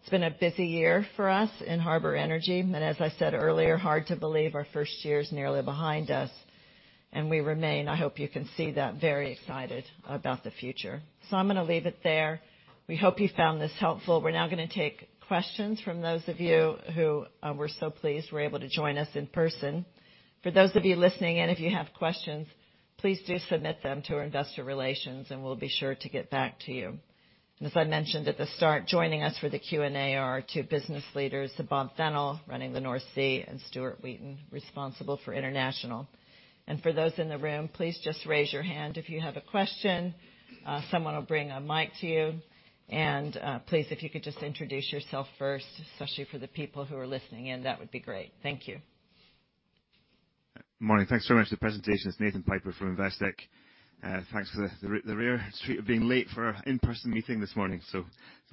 It's been a busy year for us in Harbour Energy, and as I said earlier, hard to believe our first year is nearly behind us, and we remain, I hope you can see that, very excited about the future. I'm gonna leave it there. We hope you found this helpful. We're now gonna take questions from those of you who, we're so pleased were able to join us in person. For those of you listening in, if you have questions, please do submit them to our investor relations, and we'll be sure to get back to you. As I mentioned at the start, joining us for the Q&A are two business leaders, Bob Fennell, running the North Sea, and Stuart Wheaton, responsible for international. For those in the room, please just raise your hand if you have a question. Someone will bring a mic to you. Please, if you could just introduce yourself first, especially for the people who are listening in, that would be great. Thank you. Morning. Thanks very much for the presentation. It's Nathan Piper from Investec. Thanks for the rare treat of being late for our in-person meeting this morning.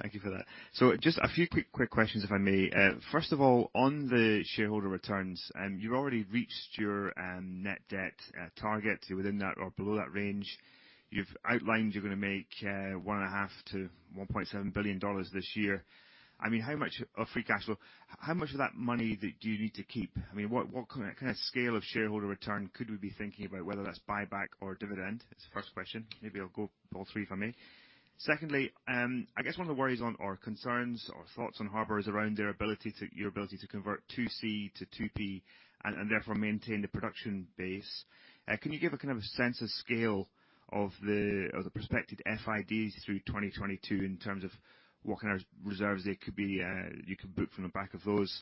Thank you for that. Just a few quick questions, if I may. First of all, on the shareholder returns, you've already reached your net debt target to within that or below that range. You've outlined you're gonna make $1.5 billion-$1.7 billion this year. I mean, how much of free cash flow. How much of that money do you need to keep? I mean, what kind of scale of shareholder return could we be thinking about, whether that's buyback or dividend? It's the first question. Maybe I'll go all three, if I may. Secondly, I guess one of the worries on, or concerns or thoughts on Harbour is around their ability to your ability to convert 2C to 2P, and therefore, maintain the production base. Can you give a kind of a sense of scale of the, of the prospective FIDs through 2022 in terms of what kind of reserves there could be, you can book from the back of those?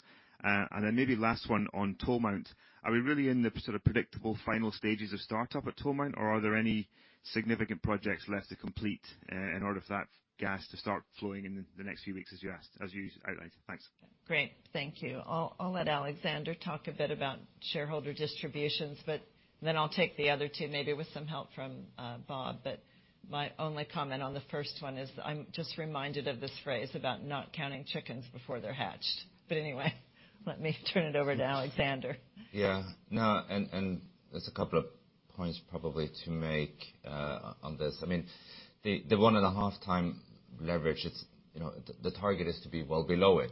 Then maybe last one on Tolmount. Are we really in the sort of predictable final stages of startup at Tolmount, or are there any significant projects left to complete in order for that gas to start flowing in the next few weeks as you asked, as you outlined? Thanks. Great. Thank you. I'll let Alexander talk a bit about shareholder distributions, but then I'll take the other two, maybe with some help from Bob. My only comment on the first one is I'm just reminded of this phrase about not counting chickens before they're hatched. Anyway, let me turn it over to Alexander. Yeah, no, and there are a couple of points probably to make on this. I mean, the 1.5x leverage, you know, the target is to be well below it.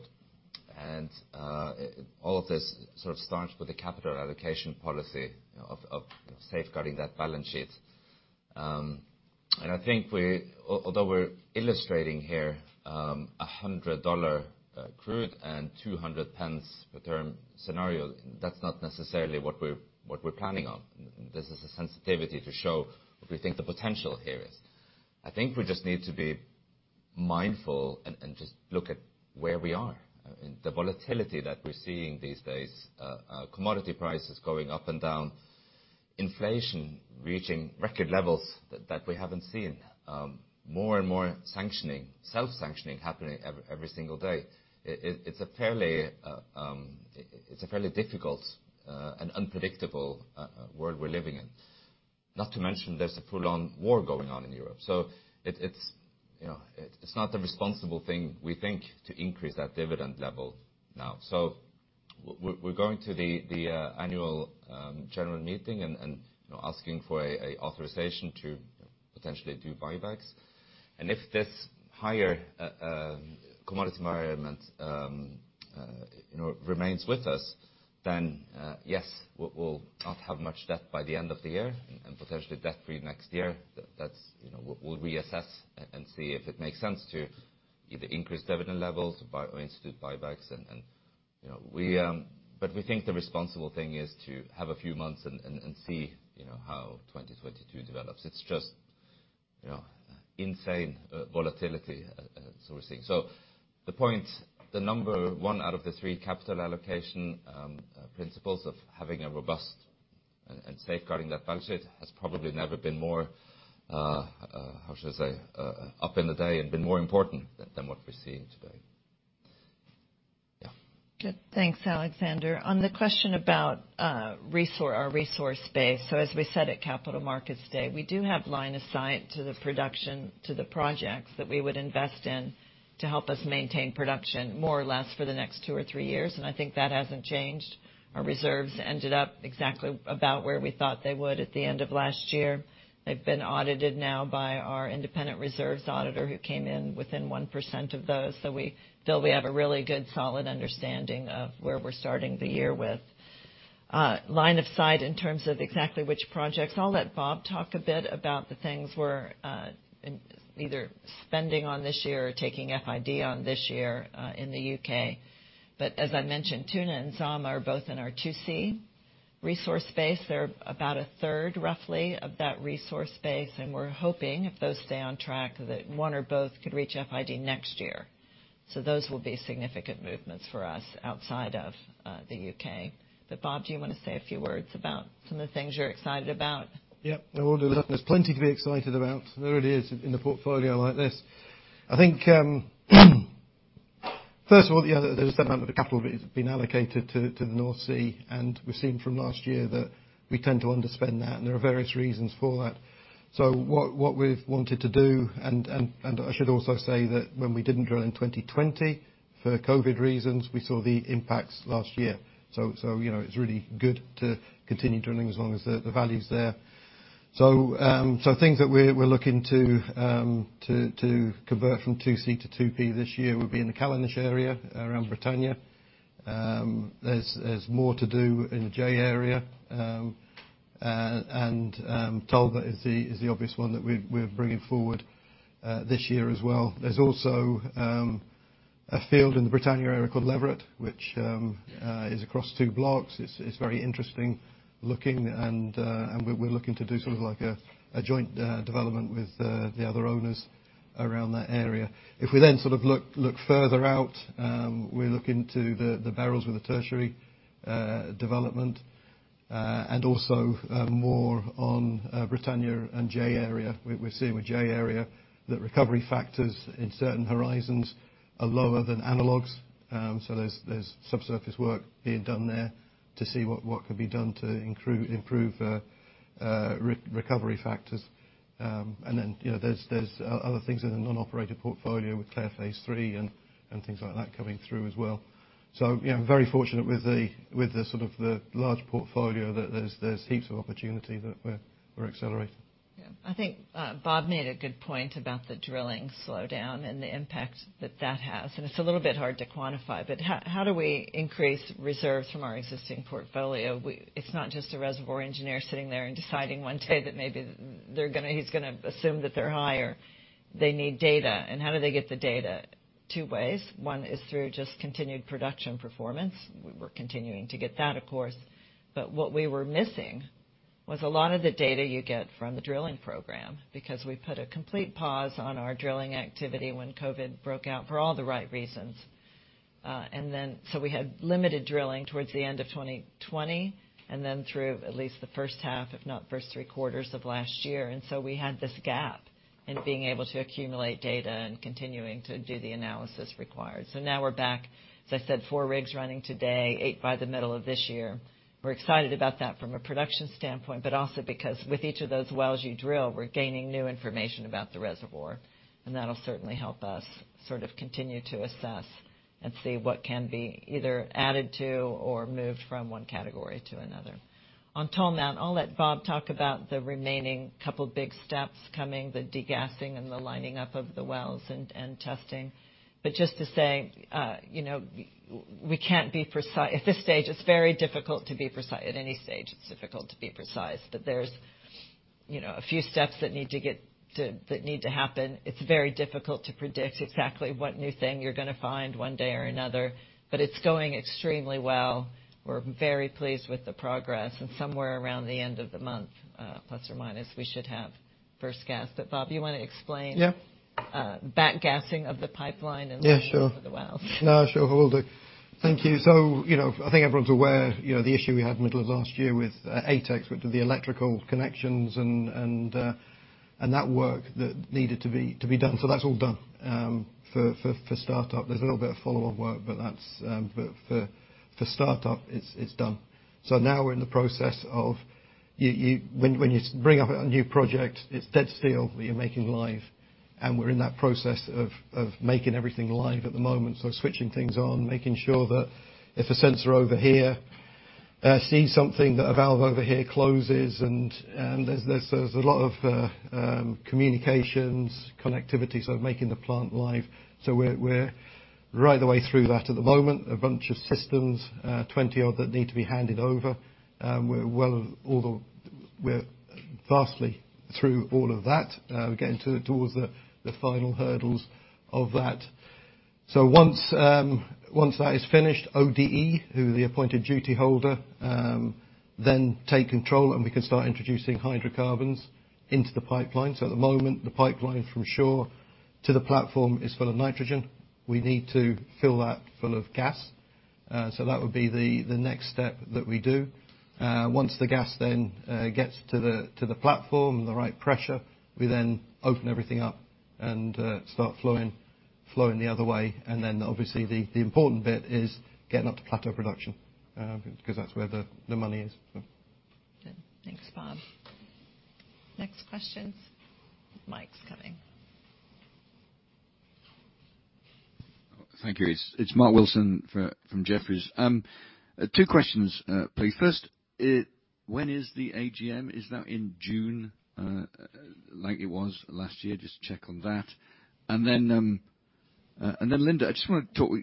All of this sort of starts with the capital allocation policy of safeguarding that balance sheet. I think although we're illustrating here, a $100 crude and 2 per therm scenario, that's not necessarily what we're planning on. This is a sensitivity to show what we think the potential here is. I think we just need to be mindful and just look at where we are. I mean, the volatility that we're seeing these days, commodity prices going up and down, inflation reaching record levels that we haven't seen, more and more sanctioning, self-sanctioning happening every single day. It's a fairly difficult and unpredictable world we're living in. Not to mention there's a full-on war going on in Europe. It's you know, it's not the responsible thing, we think, to increase that dividend level now. We're going to the Annual General Meeting and you know, asking for a authorization to potentially do buybacks. If this higher commodity environment you know, remains with us, then yes, we'll not have much debt by the end of the year and potentially debt free next year. That's, you know, we'll reassess and see if it makes sense to either increase dividend levels, buy or institute buybacks. You know, but we think the responsible thing is to have a few months and see, you know, how 2022 develops. It's just, you know, insane volatility sort of thing. The point, the number one out of the three capital allocation principles of having a robust and safeguarding that balance sheet has probably never been more up in the air and more important than what we're seeing today. Yeah. Good. Thanks, Alexander. On the question about our resource base, as we said at Capital Markets Day, we do have line of sight to the production, to the projects that we would invest in to help us maintain production more or less for the next two or three years, and I think that hasn't changed. Our reserves ended up exactly about where we thought they would at the end of last year. They've been audited now by our independent reserves auditor who came in within 1% of those. We feel we have a really good, solid understanding of where we're starting the year with. Line of sight in terms of exactly which projects. I'll let Bob talk a bit about the things we're either spending on this year or taking FID on this year in the U.K. As I mentioned, Tuna and Zama are both in our 2C resource space. They're about a third, roughly, of that resource space, and we're hoping if those stay on track that one or both could reach FID next year. Those will be significant movements for us outside of the U.K. Bob, do you wanna say a few words about some of the things you're excited about? Yep. I will do that. There's plenty to be excited about, there really is, in the portfolio like this. I think, first of all, you know, there's a certain amount of the capital that has been allocated to the North Sea, and we've seen from last year that we tend to underspend that, and there are various reasons for that. What we've wanted to do, and I should also say that when we didn't drill in 2020 for COVID reasons, we saw the impacts last year. You know, it's really good to continue drilling as long as the value's there. Things that we're looking to convert from 2C to 2P this year would be in the Callanish area around Britannia. There's more to do in the J-Area. Tolva is the obvious one that we're bringing forward this year as well. There's also a field in the Britannia area called Leveret, which is across two blocks. It's very interesting looking and we're looking to do sort of like a joint development with the other owners around that area. If we then sort of look further out, we're looking to the barrels with the tertiary development and also more on Britannia and J-Area. We're seeing with J-Area that recovery factors in certain horizons are lower than analogs, so there's subsurface work being done there to see what can be done to improve recovery factors. You know, there's other things in the non-operated portfolio with Clair Phase Three and things like that coming through as well. You know, very fortunate with the sort of the large portfolio that there's heaps of opportunity that we're accelerating. Yeah. I think Bob made a good point about the drilling slowdown and the impact that that has, and it's a little bit hard to quantify. How do we increase reserves from our existing portfolio? It's not just a reservoir engineer sitting there and deciding one day that he's gonna assume that they're higher. They need data. How do they get the data? Two ways. One is through just continued production performance. We're continuing to get that, of course. What we were missing was a lot of the data you get from the drilling program, because we put a complete pause on our drilling activity when COVID broke out for all the right reasons. We had limited drilling towards the end of 2020, and then through at least the first half, if not first three quarters of last year. We had this gap in being able to accumulate data and continuing to do the analysis required. Now we're back. As I said, four rigs running today, eight by the middle of this year. We're excited about that from a production standpoint, but also because with each of those wells you drill, we're gaining new information about the reservoir, and that'll certainly help us sort of continue to assess and see what can be either added to or moved from one category to another. On Tolmount, I'll let Bob talk about the remaining couple big steps coming, the degassing and the lining up of the wells and testing. Just to say, you know, we can't be precise. At this stage, it's very difficult to be precise. At any stage, it's difficult to be precise. There's, you know, a few steps that need to get to, that need to happen. It's very difficult to predict exactly what new thing you're gonna find one day or another, but it's going extremely well. We're very pleased with the progress, and somewhere around the end of the month, plus or minus, we should have first gas. Bob, you wanna explain. Yeah. Back gassing of the pipeline and. Yeah, sure. Looking after the wells. No, sure. Will do. Thank you. You know, I think everyone's aware, you know, the issue we had middle of last year with ATEX, which were the electrical connections and that work that needed to be done. That's all done for start-up. There's a little bit of follow-up work, but that's but for start-up, it's done. Now we're in the process. When you bring up a new project, it's dead still, but you're making live. We're in that process of making everything live at the moment, so switching things on, making sure that if a sensor over here sees something, that a valve over here closes and there's a lot of communications, connectivity, sort of making the plant live. We're right the way through that at the moment. A bunch of systems, 20-odd that need to be handed over. We're well over that. We're vastly through all of that, getting towards the final hurdles of that. Once that is finished, ODE, who the appointed duty holder, then take control, and we can start introducing hydrocarbons into the pipeline. At the moment, the pipeline from shore to the platform is full of nitrogen. We need to fill that full of gas. That would be the next step that we do. Once the gas then gets to the platform, the right pressure, we then open everything up and start flowing the other way. Obviously the important bit is getting up to plateau production, because that's where the money is. Good. Thanks, Bob. Next questions. Mic's coming. Thank you. It's Mark Wilson from Jefferies. Two questions, please. First, when is the AGM? Is that in June, like it was last year? Just check on that. Then, Linda,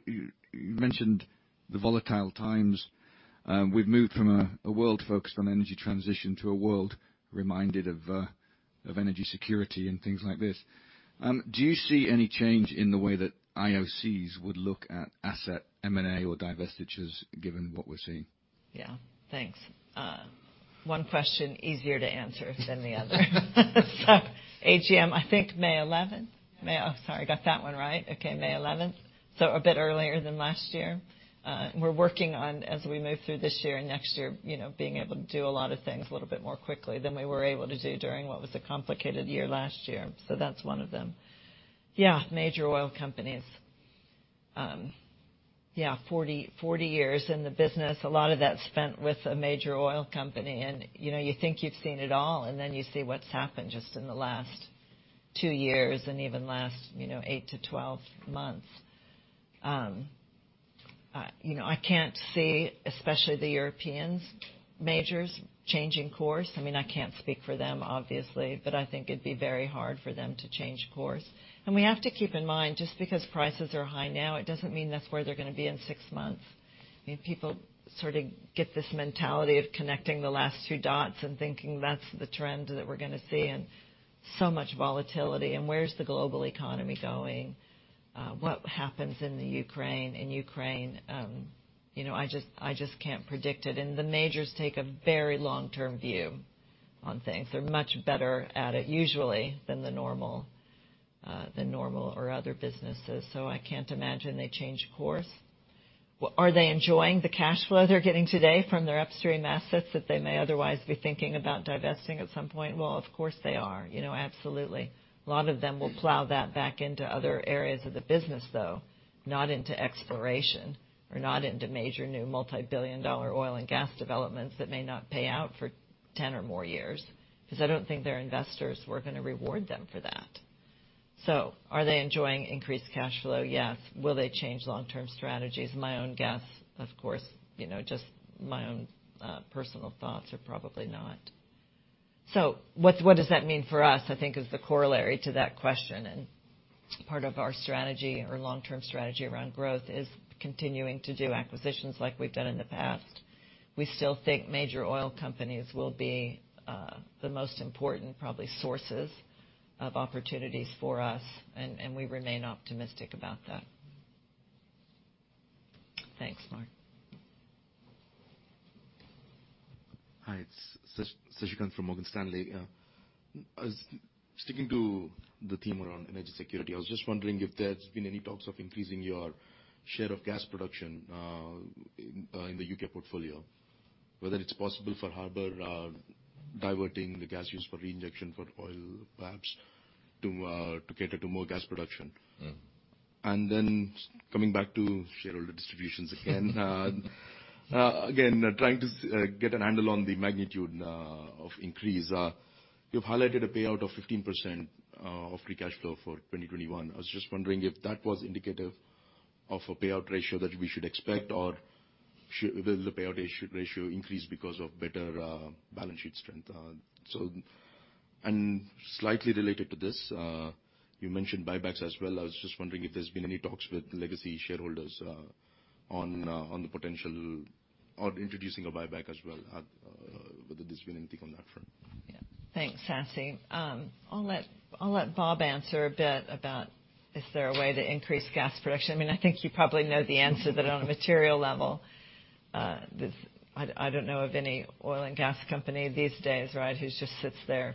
you mentioned the volatile times. We've moved from a world focused on energy transition to a world reminded of energy security and things like this. Do you see any change in the way that IOCs would look at asset M&A or divestitures given what we're seeing? Yeah. Thanks. One question easier to answer than the other. AGM, I think May 11th, a bit earlier than last year. We're working on, as we move through this year and next year, you know, being able to do a lot of things a little bit more quickly than we were able to do during what was a complicated year last year. That's one of them. Yeah, major oil companies. Yeah, 40 years in the business, a lot of that spent with a major oil company. You know, you think you've seen it all, and then you see what's happened just in the last two years and even last, you know, eight to 12 months. You know, I can't see especially the European majors changing course. I mean, I can't speak for them, obviously, but I think it'd be very hard for them to change course. We have to keep in mind, just because prices are high now, it doesn't mean that's where they're gonna be in six months. I mean, people sort of get this mentality of connecting the last two dots and thinking that's the trend that we're gonna see, and so much volatility, and where's the global economy going. What happens in Ukraine, you know, I just can't predict it. The majors take a very long-term view on things. They're much better at it usually than normal or other businesses, so I can't imagine they change course. Are they enjoying the cash flow they're getting today from their upstream assets that they may otherwise be thinking about divesting at some point? Well, of course, they are. You know, absolutely. A lot of them will plow that back into other areas of the business, though, not into exploration or not into major new multi-billion dollar oil and gas developments that may not pay out for 10 or more years, because I don't think their investors were gonna reward them for that. Are they enjoying increased cash flow? Yes. Will they change long-term strategies? My own guess, of course, you know, just my own personal thoughts are probably not. What does that mean for us, I think, is the corollary to that question. Part of our strategy or long-term strategy around growth is continuing to do acquisitions like we've done in the past. We still think major oil companies will be the most important probably sources of opportunities for us, and we remain optimistic about that. Thanks, Mark. Hi, it's Sasikanth from Morgan Stanley. Sticking to the theme around energy security, I was just wondering if there's been any talks of increasing your share of gas production in the U.K. portfolio, whether it's possible for Harbour diverting the gas use for reinjection for oil, perhaps, to cater to more gas production. Coming back to shareholder distributions again. Again, trying to get a handle on the magnitude of increase. You've highlighted a payout of 15% of free cash flow for 2021. I was just wondering if that was indicative of a payout ratio that we should expect, or will the payout ratio increase because of better balance sheet strength? Slightly related to this, you mentioned buybacks as well. I was just wondering if there's been any talks with legacy shareholders on the potential or introducing a buyback as well, whether there's been anything on that front? Yeah. Thanks, Sasi. I'll let Bob answer a bit about is there a way to increase gas production. I mean, I think you probably know the answer, that on a material level, I don't know of any oil and gas company these days, right, who just sits there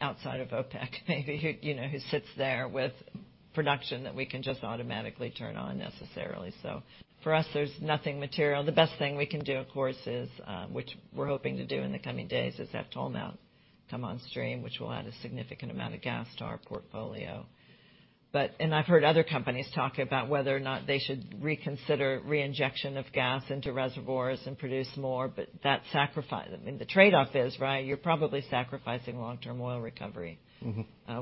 outside of OPEC, maybe, you know, who sits there with production that we can just automatically turn on necessarily. For us, there's nothing material. The best thing we can do, of course, which we're hoping to do in the coming days, is have Tolmount come on stream, which will add a significant amount of gas to our portfolio. I've heard other companies talk about whether or not they should reconsider reinjection of gas into reservoirs and produce more, but that sacrifice, I mean, the trade-off is, right, you're probably sacrificing long-term oil recovery.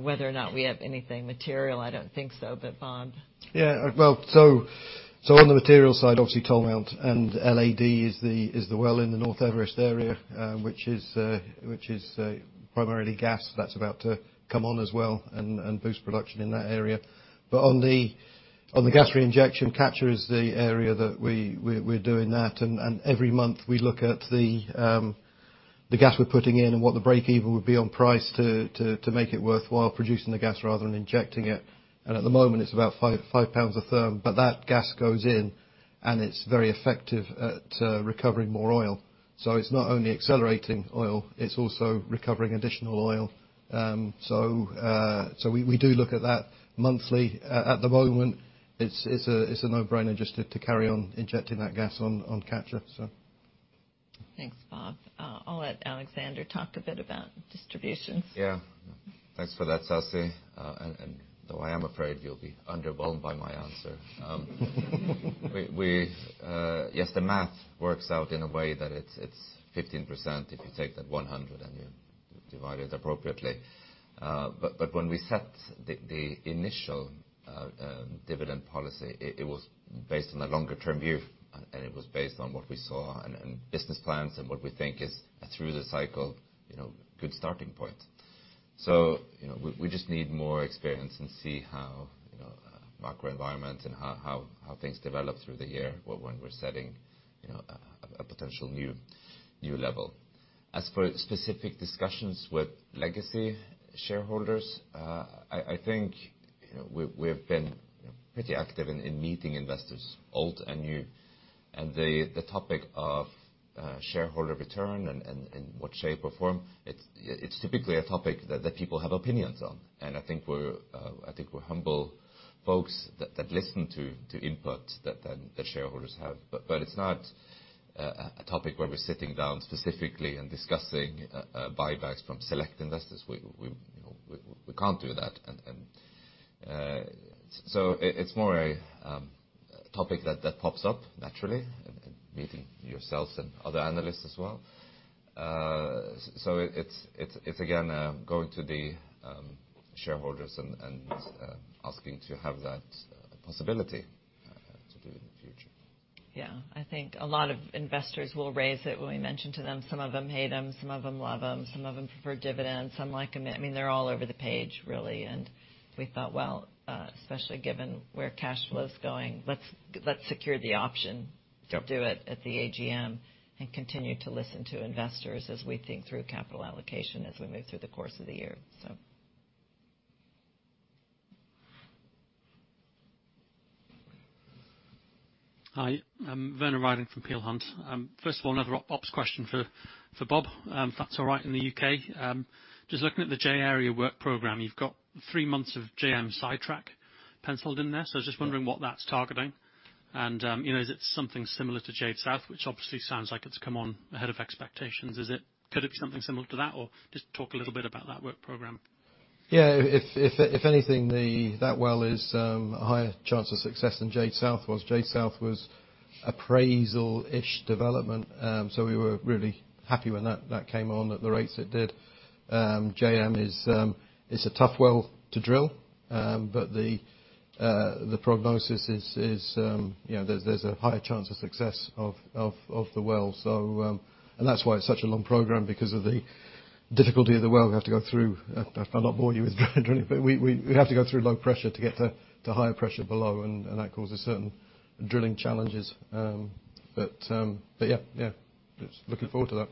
Whether or not we have anything material, I don't think so. Bob. Yeah. Well, on the material side, obviously Tolmount and LAD is the well in the North Everest area, which is primarily gas that's about to come on as well and boost production in that area. On the gas reinjection, Catcher is the area that we're doing that. Every month we look at the gas we're putting in and what the breakeven would be on price to make it worthwhile producing the gas rather than injecting it. At the moment, it's about 5 pounds per therm, but that gas goes in, and it's very effective at recovering more oil. It's not only accelerating oil, it's also recovering additional oil. We do look at that monthly. At the moment, it's a no-brainer just to carry on injecting that gas on Catcher, so. Thanks, Bob. I'll let Alexander talk a bit about distributions. Yeah. Thanks for that, Sasi. Though I am afraid you'll be underwhelmed by my answer. Yes, the math works out in a way that it's 15% if you take that 100% and you divide it appropriately. When we set the initial dividend policy, it was based on a longer-term view. It was based on what we saw and business plans and what we think is through the cycle, you know, good starting point. You know, we just need more experience and see how, you know, macro environment and how things develop through the year when we're setting, you know, a potential new level. As for specific discussions with legacy shareholders, I think, you know, we've been, you know, pretty active in meeting investors, old and new. The topic of shareholder return and what shape or form, it's typically a topic that people have opinions on. I think we're humble folks that listen to input that shareholders have. It's not a topic where we're sitting down specifically and discussing buybacks from select investors. We can't do that. It's more a topic that pops up naturally in meeting yourselves and other analysts as well. It's again going to the shareholders and asking to have that possibility to do it in the future. Yeah. I think a lot of investors will raise it when we mention to them. Some of them hate them, some of them love them, some of them prefer dividends, some like them. I mean, they're all over the page really, and we thought, well, especially given where cash flow is going, let's secure the option to do it at the AGM and continue to listen to investors as we think through capital allocation as we move through the course of the year, so. Hi, I'm Werner Riding from Peel Hunt. First of all, another ops question for Bob, if that's all right, in the U.K. Just looking at the J-Area work program, you've got three months of JM sidetrack penciled in there. So I was just wondering what that's targeting. You know, is it something similar to Jade South, which obviously sounds like it's come on ahead of expectations. Is it could it be something similar to that? Or just talk a little bit about that work program. Yeah. If anything, that well is a higher chance of success than Jade South was. Jade South was appraisal-ish development, so we were really happy when that came on at the rates it did. JM is a tough well to drill. The prognosis is, you know, there's a higher chance of success of the well. That's why it's such a long program because of the difficulty of the well we have to go through. I'll not bore you with drilling, but we have to go through low pressure to get to higher pressure below and that causes certain drilling challenges. Yeah, just looking forward to that.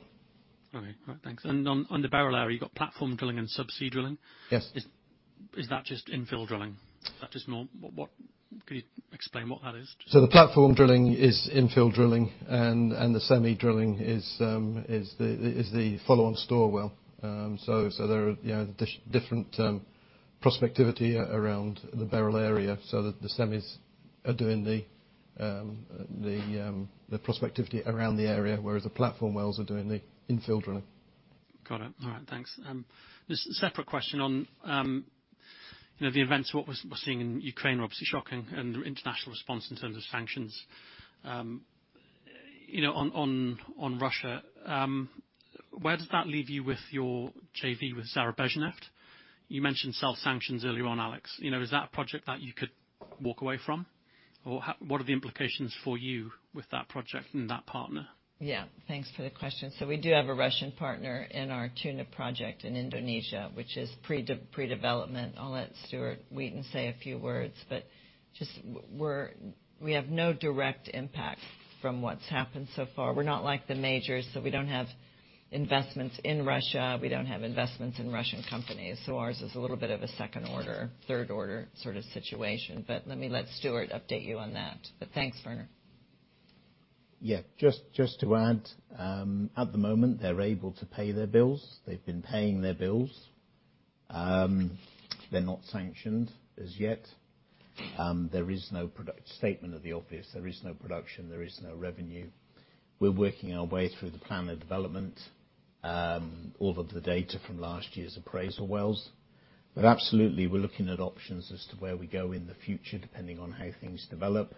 Okay. All right, thanks. On the Beryl area, you've got platform drilling and subsea drilling. Yes. Is that just infill drilling? Is that just more? What? Could you explain what that is? The platform drilling is infill drilling and the semi drilling is the follow-on Storr well. There are, you know, different prospectivity around the Beryl area so that the semis are doing the prospectivity around the area, whereas the platform wells are doing the infill drilling. Got it. All right. Thanks. Just a separate question on, you know, the events what we're seeing in Ukraine are obviously shocking and international response in terms of sanctions. You know, on Russia, where does that leave you with your JV with Zarubezhneft? You mentioned self sanctions earlier on, Alex. You know, is that a project that you could walk away from? Or what are the implications for you with that project and that partner? Yeah. Thanks for the question. We do have a Russian partner in our Tuna project in Indonesia, which is pre-development. I'll let Stuart Wheaton say a few words. We have no direct impact from what's happened so far. We're not like the majors, so we don't have investments in Russia, we don't have investments in Russian companies, so ours is a little bit of a second order, third order sort of situation. Let me let Stuart update you on that. Thanks, Werner. Yeah. Just to add, at the moment, they're able to pay their bills. They've been paying their bills. They're not sanctioned as yet. There is no product. Statement of the obvious, there is no production, there is no revenue. We're working our way through the plan of development, all of the data from last year's appraisal wells. Absolutely, we're looking at options as to where we go in the future, depending on how things develop.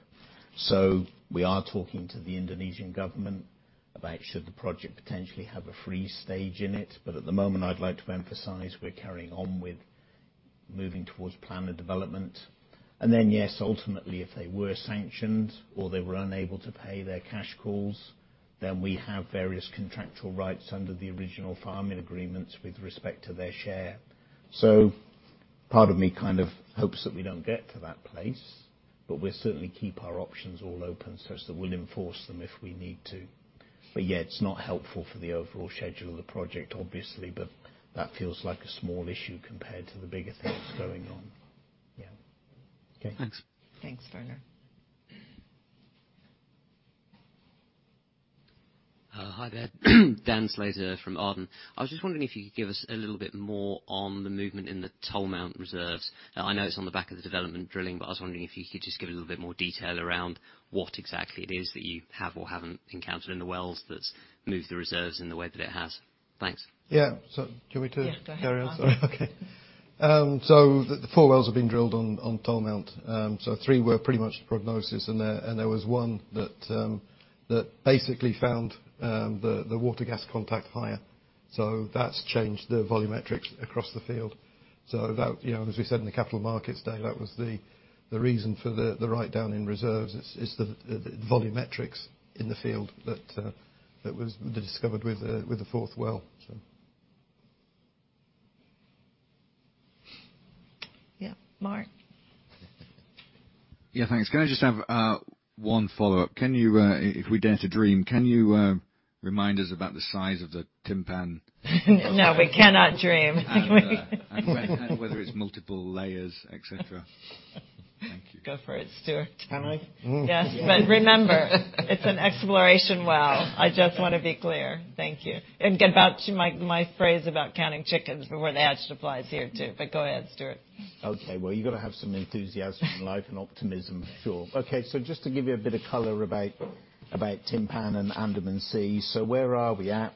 We are talking to the Indonesian government about should the project potentially have a freeze stage in it. At the moment, I'd like to emphasize we're carrying on with moving towards plan of development. Then, yes, ultimately, if they were sanctioned or they were unable to pay their cash calls, then we have various contractual rights under the original farming agreements with respect to their share. Part of me kind of hopes that we don't get to that place, but we certainly keep our options all open so as that we'll enforce them if we need to. Yeah, it's not helpful for the overall schedule of the project, obviously, but that feels like a small issue compared to the bigger things going on. Yeah. Okay, thanks. Thanks, Werner. Hi there. Dan Slater from Arden. I was just wondering if you could give us a little bit more on the movement in the Tolmount reserves. I know it's on the back of the development drilling, but I was wondering if you could just give a little bit more detail around what exactly it is that you have or haven't encountered in the wells that's moved the reserves in the way that it has. Thanks. Yeah. Do you want me to? Yeah, go ahead. Carry on? Sorry. Okay. The four wells have been drilled on Tolmount. Three were pretty much the prognosis in there, and there was one that basically found the water-gas contact higher. That's changed the volumetrics across the field. That, you know, as we said in the Capital Markets Day, was the reason for the write-down in reserves is the volumetrics in the field that was discovered with the fourth well. Yeah. Mark? Yeah. Thanks. Can I just have one follow-up? Can you, if we dare to dream, remind us about the size of the Timpan? No, we cannot dream. Whether it's multiple layers, et cetera. Thank you. Go for it, Stuart. Can I? Yes. Remember, it's an exploration well. I just wanna be clear. Thank you. Go back to my phrase about counting chickens before they hatch applies here too, but go ahead, Stuart. Okay. Well, you've got to have some enthusiasm in life and optimism for sure. Okay. Just to give you a bit of color about Timpan and Andaman Sea. Where are we at?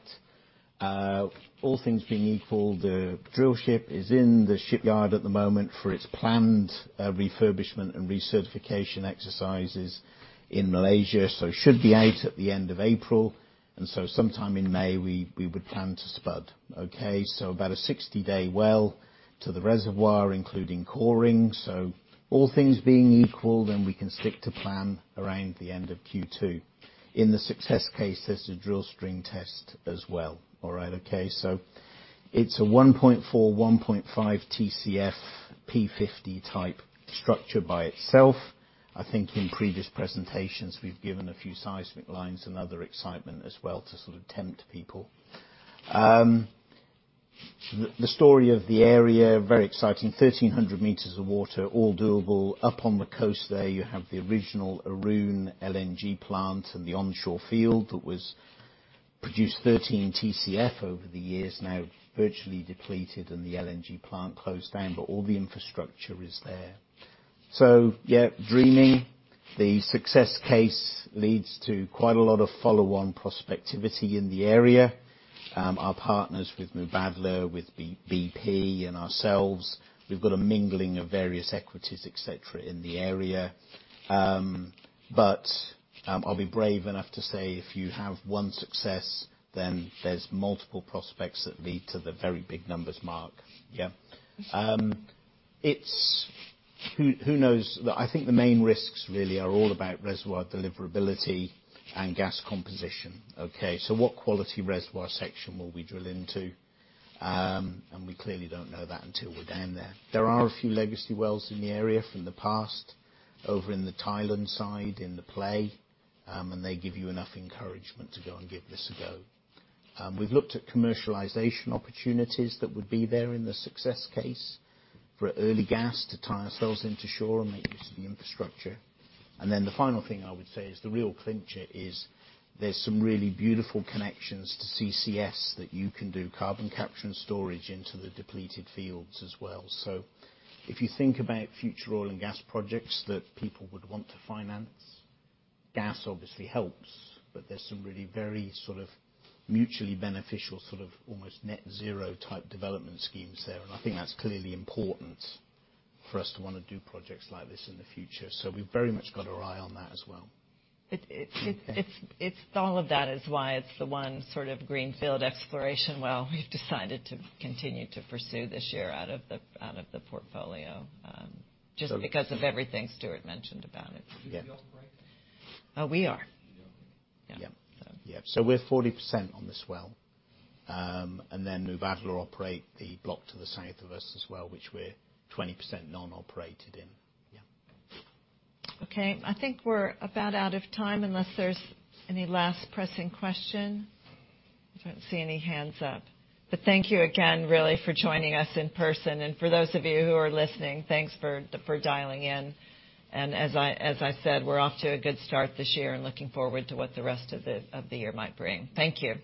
All things being equal, the drill ship is in the shipyard at the moment for its planned refurbishment and recertification exercises in Malaysia. It should be out at the end of April, and sometime in May, we would plan to spud. Okay? About a 60-day well to the reservoir, including coring. All things being equal, then we can stick to plan around the end of Q2. In the success case, there's a drill string test as well. All right? Okay. It's a 1.4, 1.5 TCF P50 type structure by itself. I think in previous presentations, we've given a few seismic lines and other excitement as well to sort of tempt people. The story of the area, very exciting. 1,300 meters of water, all doable. Up on the coast there, you have the original Arun LNG plant and the onshore field that was produced 13 TCF over the years, now virtually depleted and the LNG plant closed down, but all the infrastructure is there. Yeah, dreaming. The success case leads to quite a lot of follow-on prospectivity in the area. Our partners with Mubadala, with BP and ourselves, we've got a mingling of various equities, et cetera, in the area. I'll be brave enough to say if you have one success, then there's multiple prospects that lead to the very big numbers, Mark. Yeah. Who knows? I think the main risks really are all about reservoir deliverability and gas composition. Okay? What quality reservoir section will we drill into? We clearly don't know that until we're down there. There are a few legacy wells in the area from the past over in the Thailand side in the play, and they give you enough encouragement to go and give this a go. We've looked at commercialization opportunities that would be there in the success case for early gas to tie ourselves into shore and make use of the infrastructure. The final thing I would say is the real clincher is there's some really beautiful connections to CCS that you can do carbon capture and storage into the depleted fields as well. If you think about future oil and gas projects that people would want to finance, gas obviously helps, but there's some really very sort of mutually beneficial, sort of almost net zero type development schemes there. I think that's clearly important for us to wanna do projects like this in the future. We've very much got our eye on that as well. It's all of that is why it's the one sort of greenfield exploration well we've decided to continue to pursue this year out of the portfolio, just because of everything Stuart mentioned about it. Yeah. Oh, we are. Yeah. Yeah. We're 40% on this well. Mubadala operate the block to the south of us as well, which we're 20% non-operated in. Yeah. Okay. I think we're about out of time, unless there's any last pressing question. I don't see any hands up. Thank you again, really, for joining us in person. For those of you who are listening, thanks for dialing in. As I said, we're off to a good start this year and looking forward to what the rest of the year might bring. Thank you.